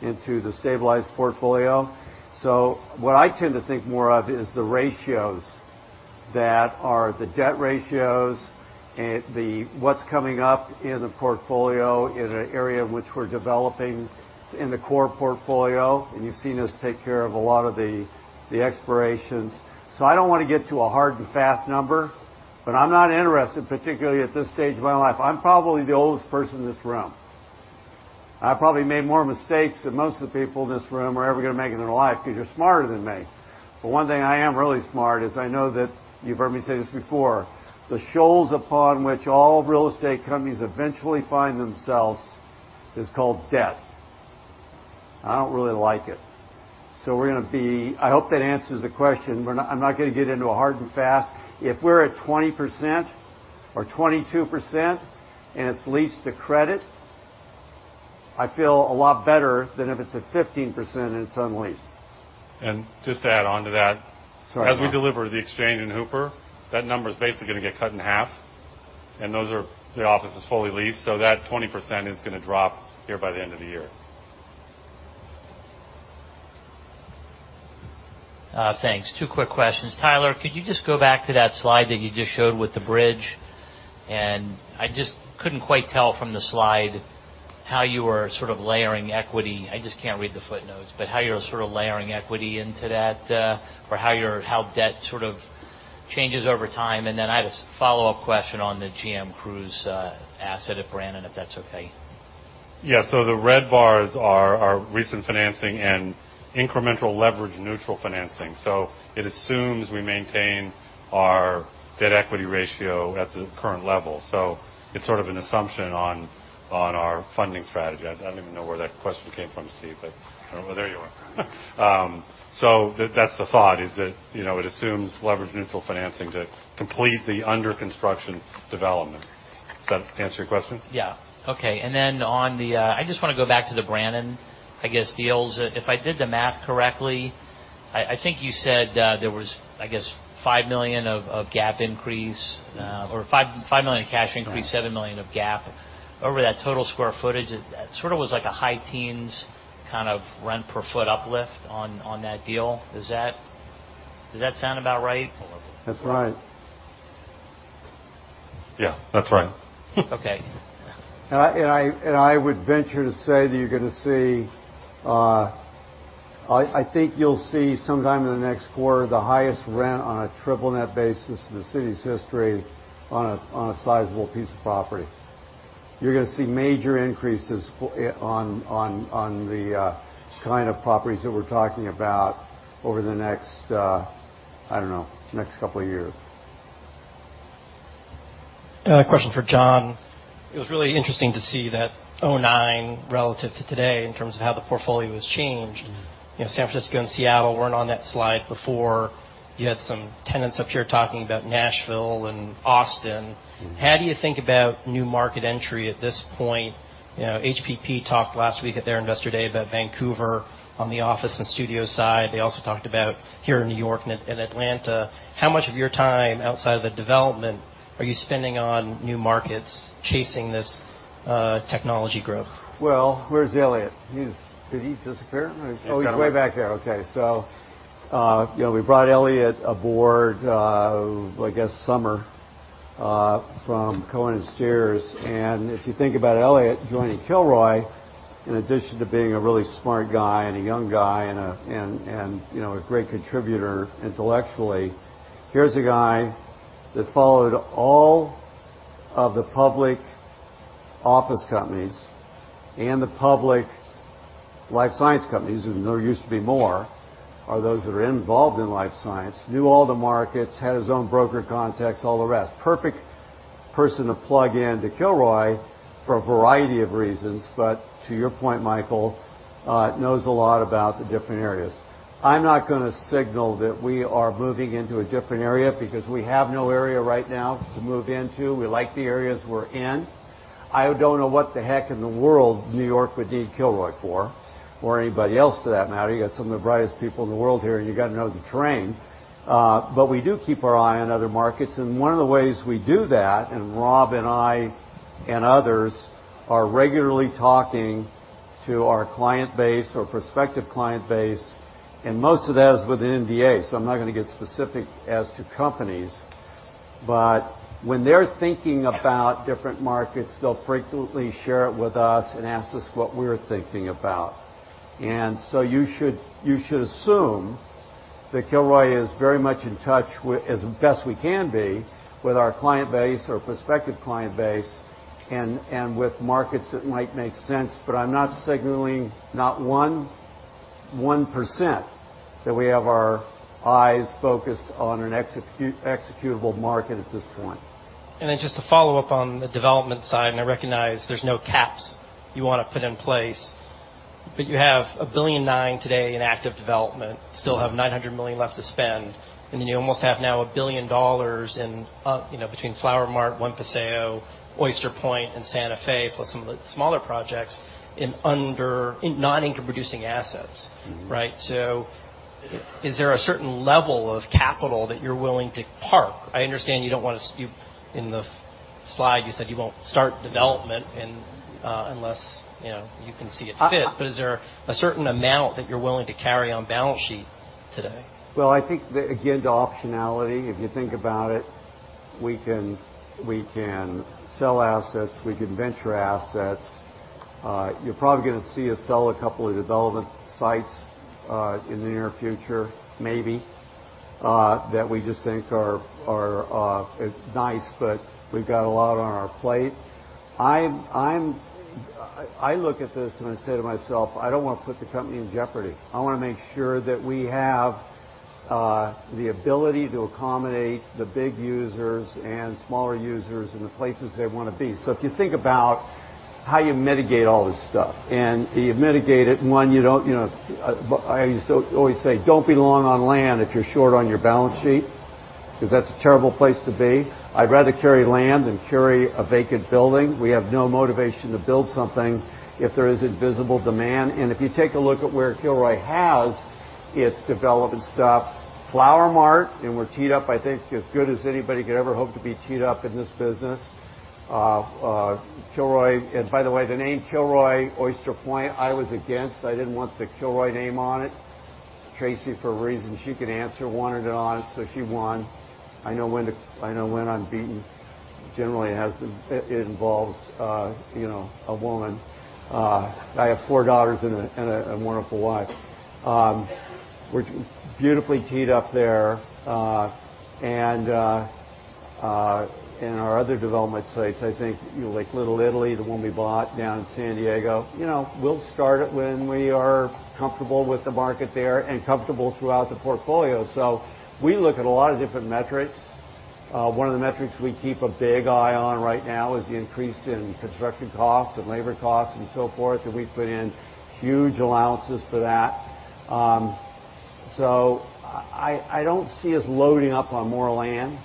the stabilized portfolio. What I tend to think more of is the ratios that are the debt ratios and what's coming up in the portfolio in an area which we're developing in the core portfolio. You've seen us take care of a lot of the expirations. I don't want to get to a hard and fast number, but I'm not interested, particularly at this stage of my life. I'm probably the oldest person in this room. I probably made more mistakes than most of the people in this room are ever going to make in their life because you're smarter than me. One thing I am really smart is I know that you've heard me say this before, the shoals upon which all real estate companies eventually find themselves is called debt. I don't really like it. I hope that answers the question. I'm not going to get into a hard and fast. If we're at 20% or 22% and it's leased to credit, I feel a lot better than if it's at 15% and it's unleased. Just to add on to that. Sorry. Yeah. As we deliver the Exchange in Hooper, that number is basically going to get cut in half, and those are the offices fully leased. That 20% is going to drop here by the end of the year. Thanks. Two quick questions. Tyler, could you just go back to that slide that you just showed with the bridge? I just couldn't quite tell from the slide how you were sort of layering equity. I just can't read the footnotes, but how you're sort of layering equity into that, or how debt sort of changes over time. Then I have a follow-up question on the GM Cruise asset at Brannan, if that's okay. Yeah. The red bars are our recent financing and incremental leverage neutral financing. It assumes we maintain our debt equity ratio at the current level. It's sort of an assumption on our funding strategy. I don't even know where that question came from, Steve, but there you are. That's the thought, is that it assumes leverage neutral financing to complete the under construction development. Does that answer your question? Yeah. Okay. Then on the I just want to go back to the Brannan, I guess, deals. If I did the math correctly, I think you said, there was, I guess, $5 million of GAAP increase or $5 million of cash increase- Right $7 million of GAAP over that total square footage. That sort of was like a high teens kind of rent per foot uplift on that deal. Does that sound about right? That's right. Yeah, that's right. Okay. I would venture to say that you're going to see I think you'll see sometime in the next quarter, the highest rent on a triple net basis in the city's history on a sizable piece of property. You're going to see major increases on the kind of properties that we're talking about over the next, I don't know, next couple of years. A question for John. It was really interesting to see that 2009 relative to today in terms of how the portfolio has changed. San Francisco and Seattle weren't on that slide before. You had some tenants up here talking about Nashville and Austin. How do you think about new market entry at this point? HPP talked last week at their Investor Day about Vancouver on the office and studio side. They also talked about here in New York and Atlanta. How much of your time outside of the development are you spending on new markets, chasing this technology growth? Well, where's Eliott? Did he disappear? He's down there. He's way back there, okay. We brought Eliott aboard, I guess, summer from Cohen & Steers, and if you think about Eliott joining Kilroy, in addition to being a really smart guy and a young guy and a great contributor intellectually, here's a guy that followed all of the public office companies and the public life science companies, there used to be more, or those that are involved in life science. Knew all the markets, had his own broker contacts, all the rest. Perfect person to plug into Kilroy for a variety of reasons, but to your point, Michael, knows a lot about the different areas. I'm not going to signal that we are moving into a different area because we have no area right now to move into. We like the areas we're in. I don't know what the heck in the world New York would need Kilroy for, or anybody else for that matter. You've got some of the brightest people in the world here, and you've got to know the terrain. We do keep our eye on other markets, and one of the ways we do that, Rob and I and others are regularly talking to our client base or prospective client base, and most of that is with an NDA, so I'm not going to get specific as to companies. When they're thinking about different markets, they'll frequently share it with us and ask us what we're thinking about. You should assume that Kilroy is very much in touch, as best we can be, with our client base or prospective client base and with markets that might make sense, but I'm not signaling, not 1% that we have our eyes focused on an executable market at this point. Just to follow up on the development side, and I recognize there's no caps you want to put in place, but you have $1.9 billion today in active development. Still have $900 million left to spend. You almost have now $1 billion between Flower Mart, One Paseo, Oyster Point, and Santa Fe, plus some of the smaller projects in non-income producing assets. Right? Is there a certain level of capital that you're willing to park? I understand in the slide you said you won't start development unless you can see it fit. Is there a certain amount that you're willing to carry on balance sheet today? Well, I think that, again, to optionality, if you think about it, we can sell assets. We can venture assets. You're probably going to see us sell a couple of development sites in the near future, maybe, that we just think are nice, but we've got a lot on our plate. I look at this and I say to myself, "I don't want to put the company in jeopardy." I want to make sure that we have the ability to accommodate the big users and smaller users in the places they want to be. If you think about how you mitigate all this stuff, and you mitigate it, one, I always say, "Don't be long on land if you're short on your balance sheet," because that's a terrible place to be. I'd rather carry land than carry a vacant building. We have no motivation to build something if there isn't visible demand. If you take a look at where Kilroy has its development stuff, Flower Mart, and we're teed up, I think, as good as anybody could ever hope to be teed up in this business. By the way, the name Kilroy Oyster Point, I was against. I didn't want the Kilroy name on it. Tracy, for reasons she could answer, wanted it on, so she won. I know when I'm beaten. Generally, it involves a woman. I have four daughters and a wonderful wife. We're beautifully teed up there. Our other development sites, I think, like Little Italy, the one we bought down in San Diego. We'll start it when we are comfortable with the market there and comfortable throughout the portfolio. We look at a lot of different metrics. One of the metrics we keep a big eye on right now is the increase in construction costs and labor costs and so forth, and we put in huge allowances for that. I don't see us loading up on more land.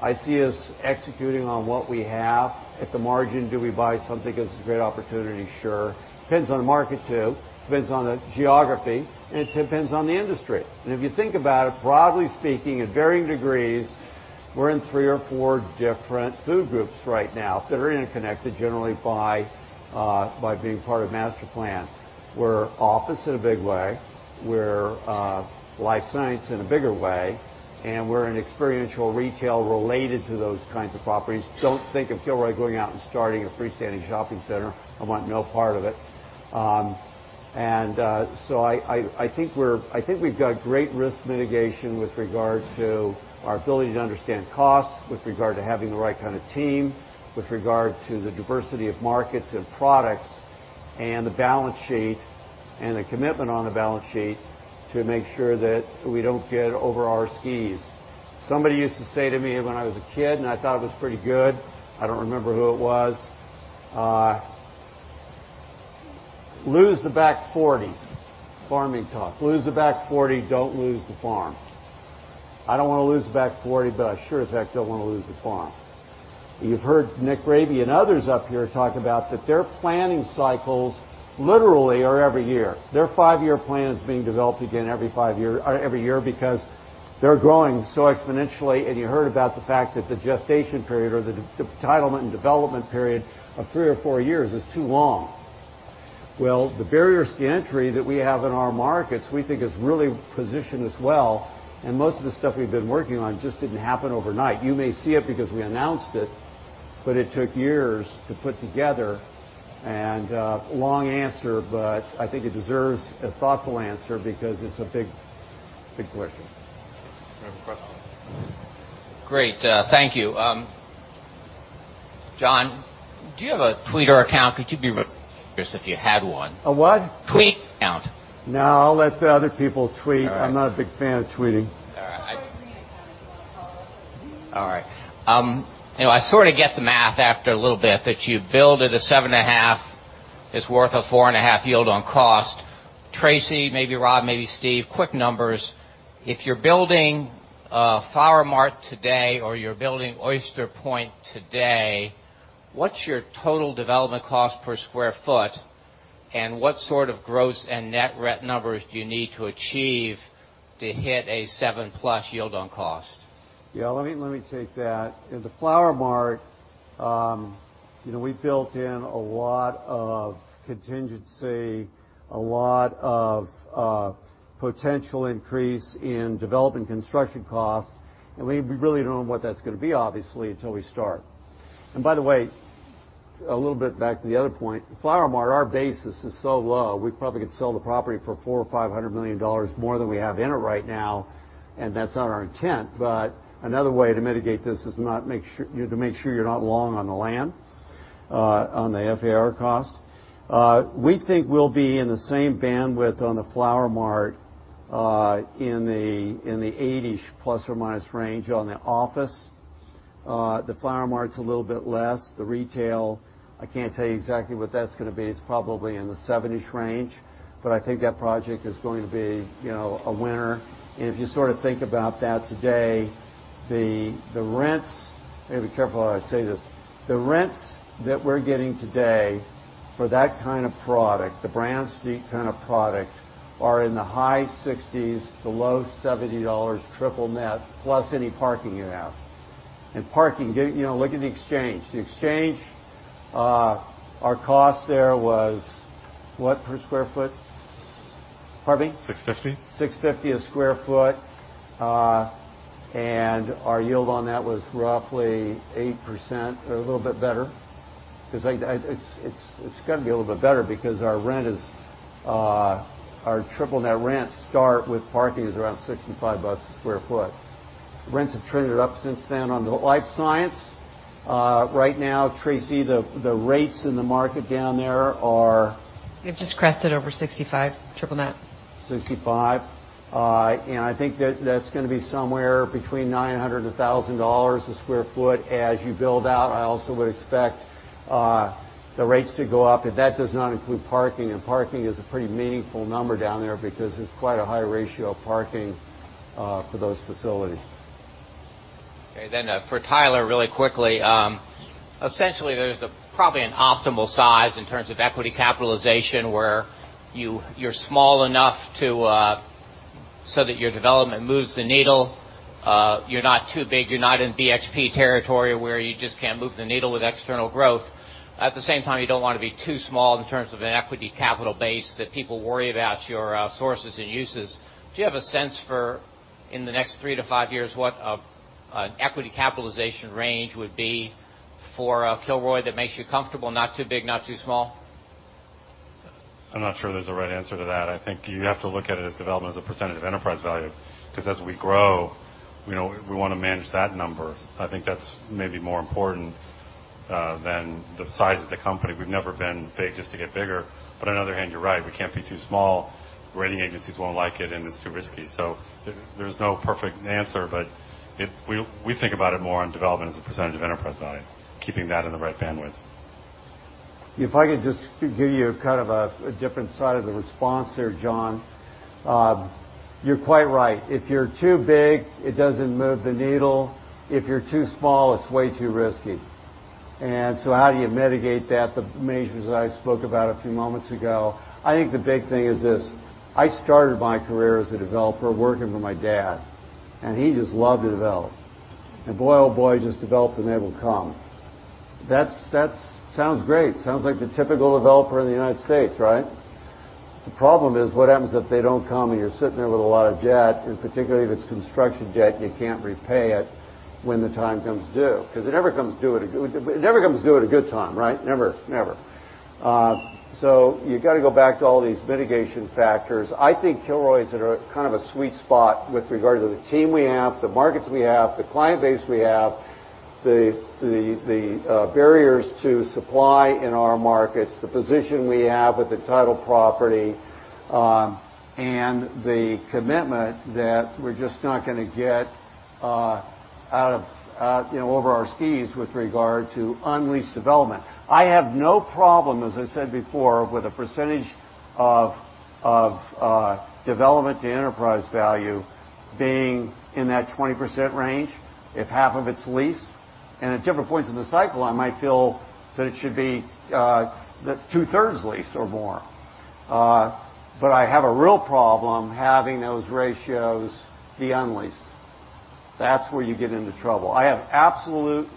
I see us executing on what we have. At the margin, do we buy something because it's a great opportunity? Sure. Depends on the market too, depends on the geography, and it depends on the industry. If you think about it, broadly speaking, at varying degrees, we're in three or four different food groups right now that are interconnected generally by being part of master plan. We're office in a big way, we're life science in a bigger way, and we're in experiential retail related to those kinds of properties. Don't think of Kilroy going out and starting a freestanding shopping center. I want no part of it. I think we've got great risk mitigation with regard to our ability to understand cost, with regard to having the right kind of team, with regard to the diversity of markets and products. The balance sheet, and the commitment on the balance sheet to make sure that we don't get over our skis. Somebody used to say to me when I was a kid, and I thought it was pretty good, I don't remember who it was, "Lose the back 40." Farming talk. "Lose the back 40, don't lose the farm." I don't want to lose the back 40, but I sure as heck don't want to lose the farm. You've heard Nick Raby and others up here talk about that their planning cycles literally are every year. Their 5-year plan is being developed again every year, because they're growing so exponentially, and you heard about the fact that the gestation period or the entitlement and development period of 3 or 4 years is too long. The barriers to entry that we have in our markets we think is really positioned as well, and most of the stuff we've been working on just didn't happen overnight. You may see it because we announced it, but it took years to put together. Long answer, but I think it deserves a thoughtful answer because it's a big question. You have a question? Great. Thank you. John, do you have a Twitter account? Could you be if you had one? A what? Twitter account. No, I'll let the other people tweet. All right. I'm not a big fan of tweeting. All right. He's got a Twitter account. He follows me. All right. I sort of get the math after a little bit, that you build at a 7.5, it's worth a 4.5 yield on cost. Tracy, maybe Rob, maybe Steve, quick numbers. If you're building Flower Mart today, or you're building Oyster Point today, what's your total development cost per square foot, and what sort of gross and net rent numbers do you need to achieve to hit a 7-plus yield on cost? Yeah, let me take that. In the Flower Mart, we built in a lot of contingency, a lot of potential increase in development construction cost. We really don't know what that's going to be, obviously, until we start. By the way, a little bit back to the other point, Flower Mart, our basis is so low we probably could sell the property for $400 million or $500 million more than we have in it right now, and that's not our intent. Another way to mitigate this is to make sure you're not long on the land, on the FAR cost. We think we'll be in the same bandwidth on the Flower Mart in the 80-ish, plus or minus range on the office. The Flower Mart's a little bit less. The retail, I can't tell you exactly what that's going to be. It's probably in the 70-ish range. I think that project is going to be a winner. If you sort of think about that today, the rents, I've got to be careful how I say this. The rents that we're getting today for that kind of product, the Brannan Street kind of product, are in the high $60s to low $70 triple net, plus any parking you have. Parking, look at The Exchange. The Exchange, our cost there was what per square foot? Pardon me? 650. $650 a square foot. Our yield on that was roughly 8%, or a little bit better. It's got to be a little bit better because our triple net rents start with parking is around $65 a square foot. Rents have traded up since then on the life science. Right now, Tracy, the rates in the market down there are They've just crested over $65 triple net. 65. I think that's going to be somewhere between $900 to $1,000 a square foot. As you build out, I also would expect the rates to go up, and that does not include parking, and parking is a pretty meaningful number down there because there's quite a high ratio of parking for those facilities. Okay, for Tyler, really quickly. Essentially, there's probably an optimal size in terms of equity capitalization where you're small enough so that your development moves the needle. You're not too big, you're not in BXP territory where you just can't move the needle with external growth. At the same time, you don't want to be too small in terms of an equity capital base that people worry about your sources and uses. Do you have a sense for, in the next 3-5 years, what an equity capitalization range would be for Kilroy that makes you comfortable? Not too big, not too small. I'm not sure there's a right answer to that. I think you have to look at it as development as a percentage of enterprise value. As we grow, we want to manage that number. I think that's maybe more important than the size of the company. We've never been big just to get bigger. On the other hand, you're right, we can't be too small. The rating agencies won't like it, and it's too risky. There's no perfect answer, but we think about it more on development as a percentage of enterprise value, keeping that in the right bandwidth. If I could just give you kind of a different side of the response there, John. You're quite right. If you're too big, it doesn't move the needle. If you're too small, it's way too risky. How do you mitigate that? The measures that I spoke about a few moments ago. I think the big thing is this. I started my career as a developer working for my dad, and he just loved to develop. Boy, oh, boy, just develop, and they will come. That sounds great. Sounds like the typical developer in the U.S., right? The problem is, what happens if they don't come and you're sitting there with a lot of debt, and particularly if it's construction debt and you can't repay it when the time comes due? It never comes due at a good time, right? Never. You've got to go back to all these mitigation factors. I think Kilroy's at a kind of a sweet spot with regard to the team we have, the markets we have, the client base we have. The barriers to supply in our markets, the position we have with the entitled property, and the commitment that we're just not going to get out of, over our skis with regard to unleased development. I have no problem, as I said before, with a percentage of development to enterprise value being in that 20% range if half of it's leased. At different points in the cycle, I might feel that it should be that 2/3 leased or more. I have a real problem having those ratios be unleased. That's where you get into trouble. I have absolute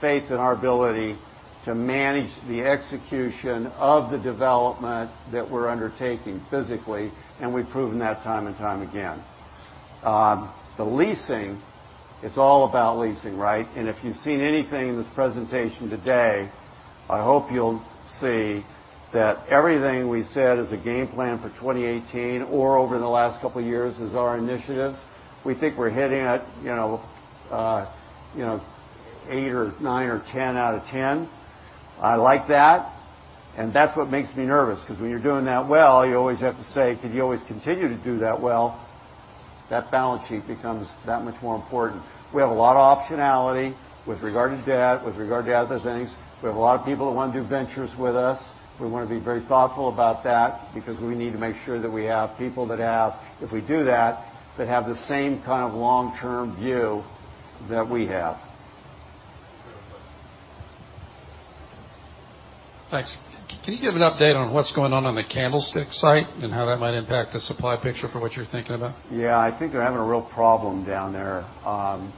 faith in our ability to manage the execution of the development that we're undertaking physically, and we've proven that time and time again. The leasing, it's all about leasing, right? If you've seen anything in this presentation today, I hope you'll see that everything we said is a game plan for 2018 or over the last couple of years as our initiatives. We think we're hitting at eight or nine or 10 out of 10. I like that, and that's what makes me nervous because when you're doing that well, you always have to say, could you always continue to do that well? That balance sheet becomes that much more important. We have a lot of optionality with regard to debt, with regard to other things. We have a lot of people that want to do ventures with us. We want to be very thoughtful about that because we need to make sure that we have people that have, if we do that have the same kind of long-term view that we have. Thanks. Can you give an update on what's going on on the Candlestick site and how that might impact the supply picture for what you're thinking about? Yeah. I think they're having a real problem down there.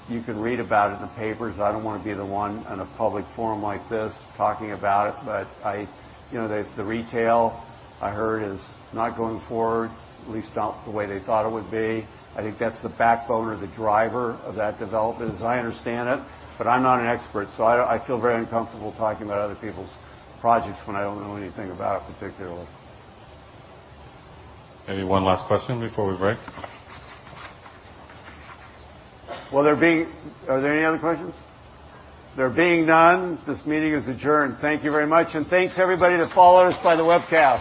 You can read about it in the papers. I don't want to be the one in a public forum like this talking about it. The retail, I heard, is not going forward, at least not the way they thought it would be. I think that's the backbone or the driver of that development, as I understand it. I'm not an expert, so I feel very uncomfortable talking about other people's projects when I don't know anything about it particularly. Maybe one last question before we break. Are there any other questions? There being none, this meeting is adjourned. Thank you very much, thanks everybody that followed us by the webcast.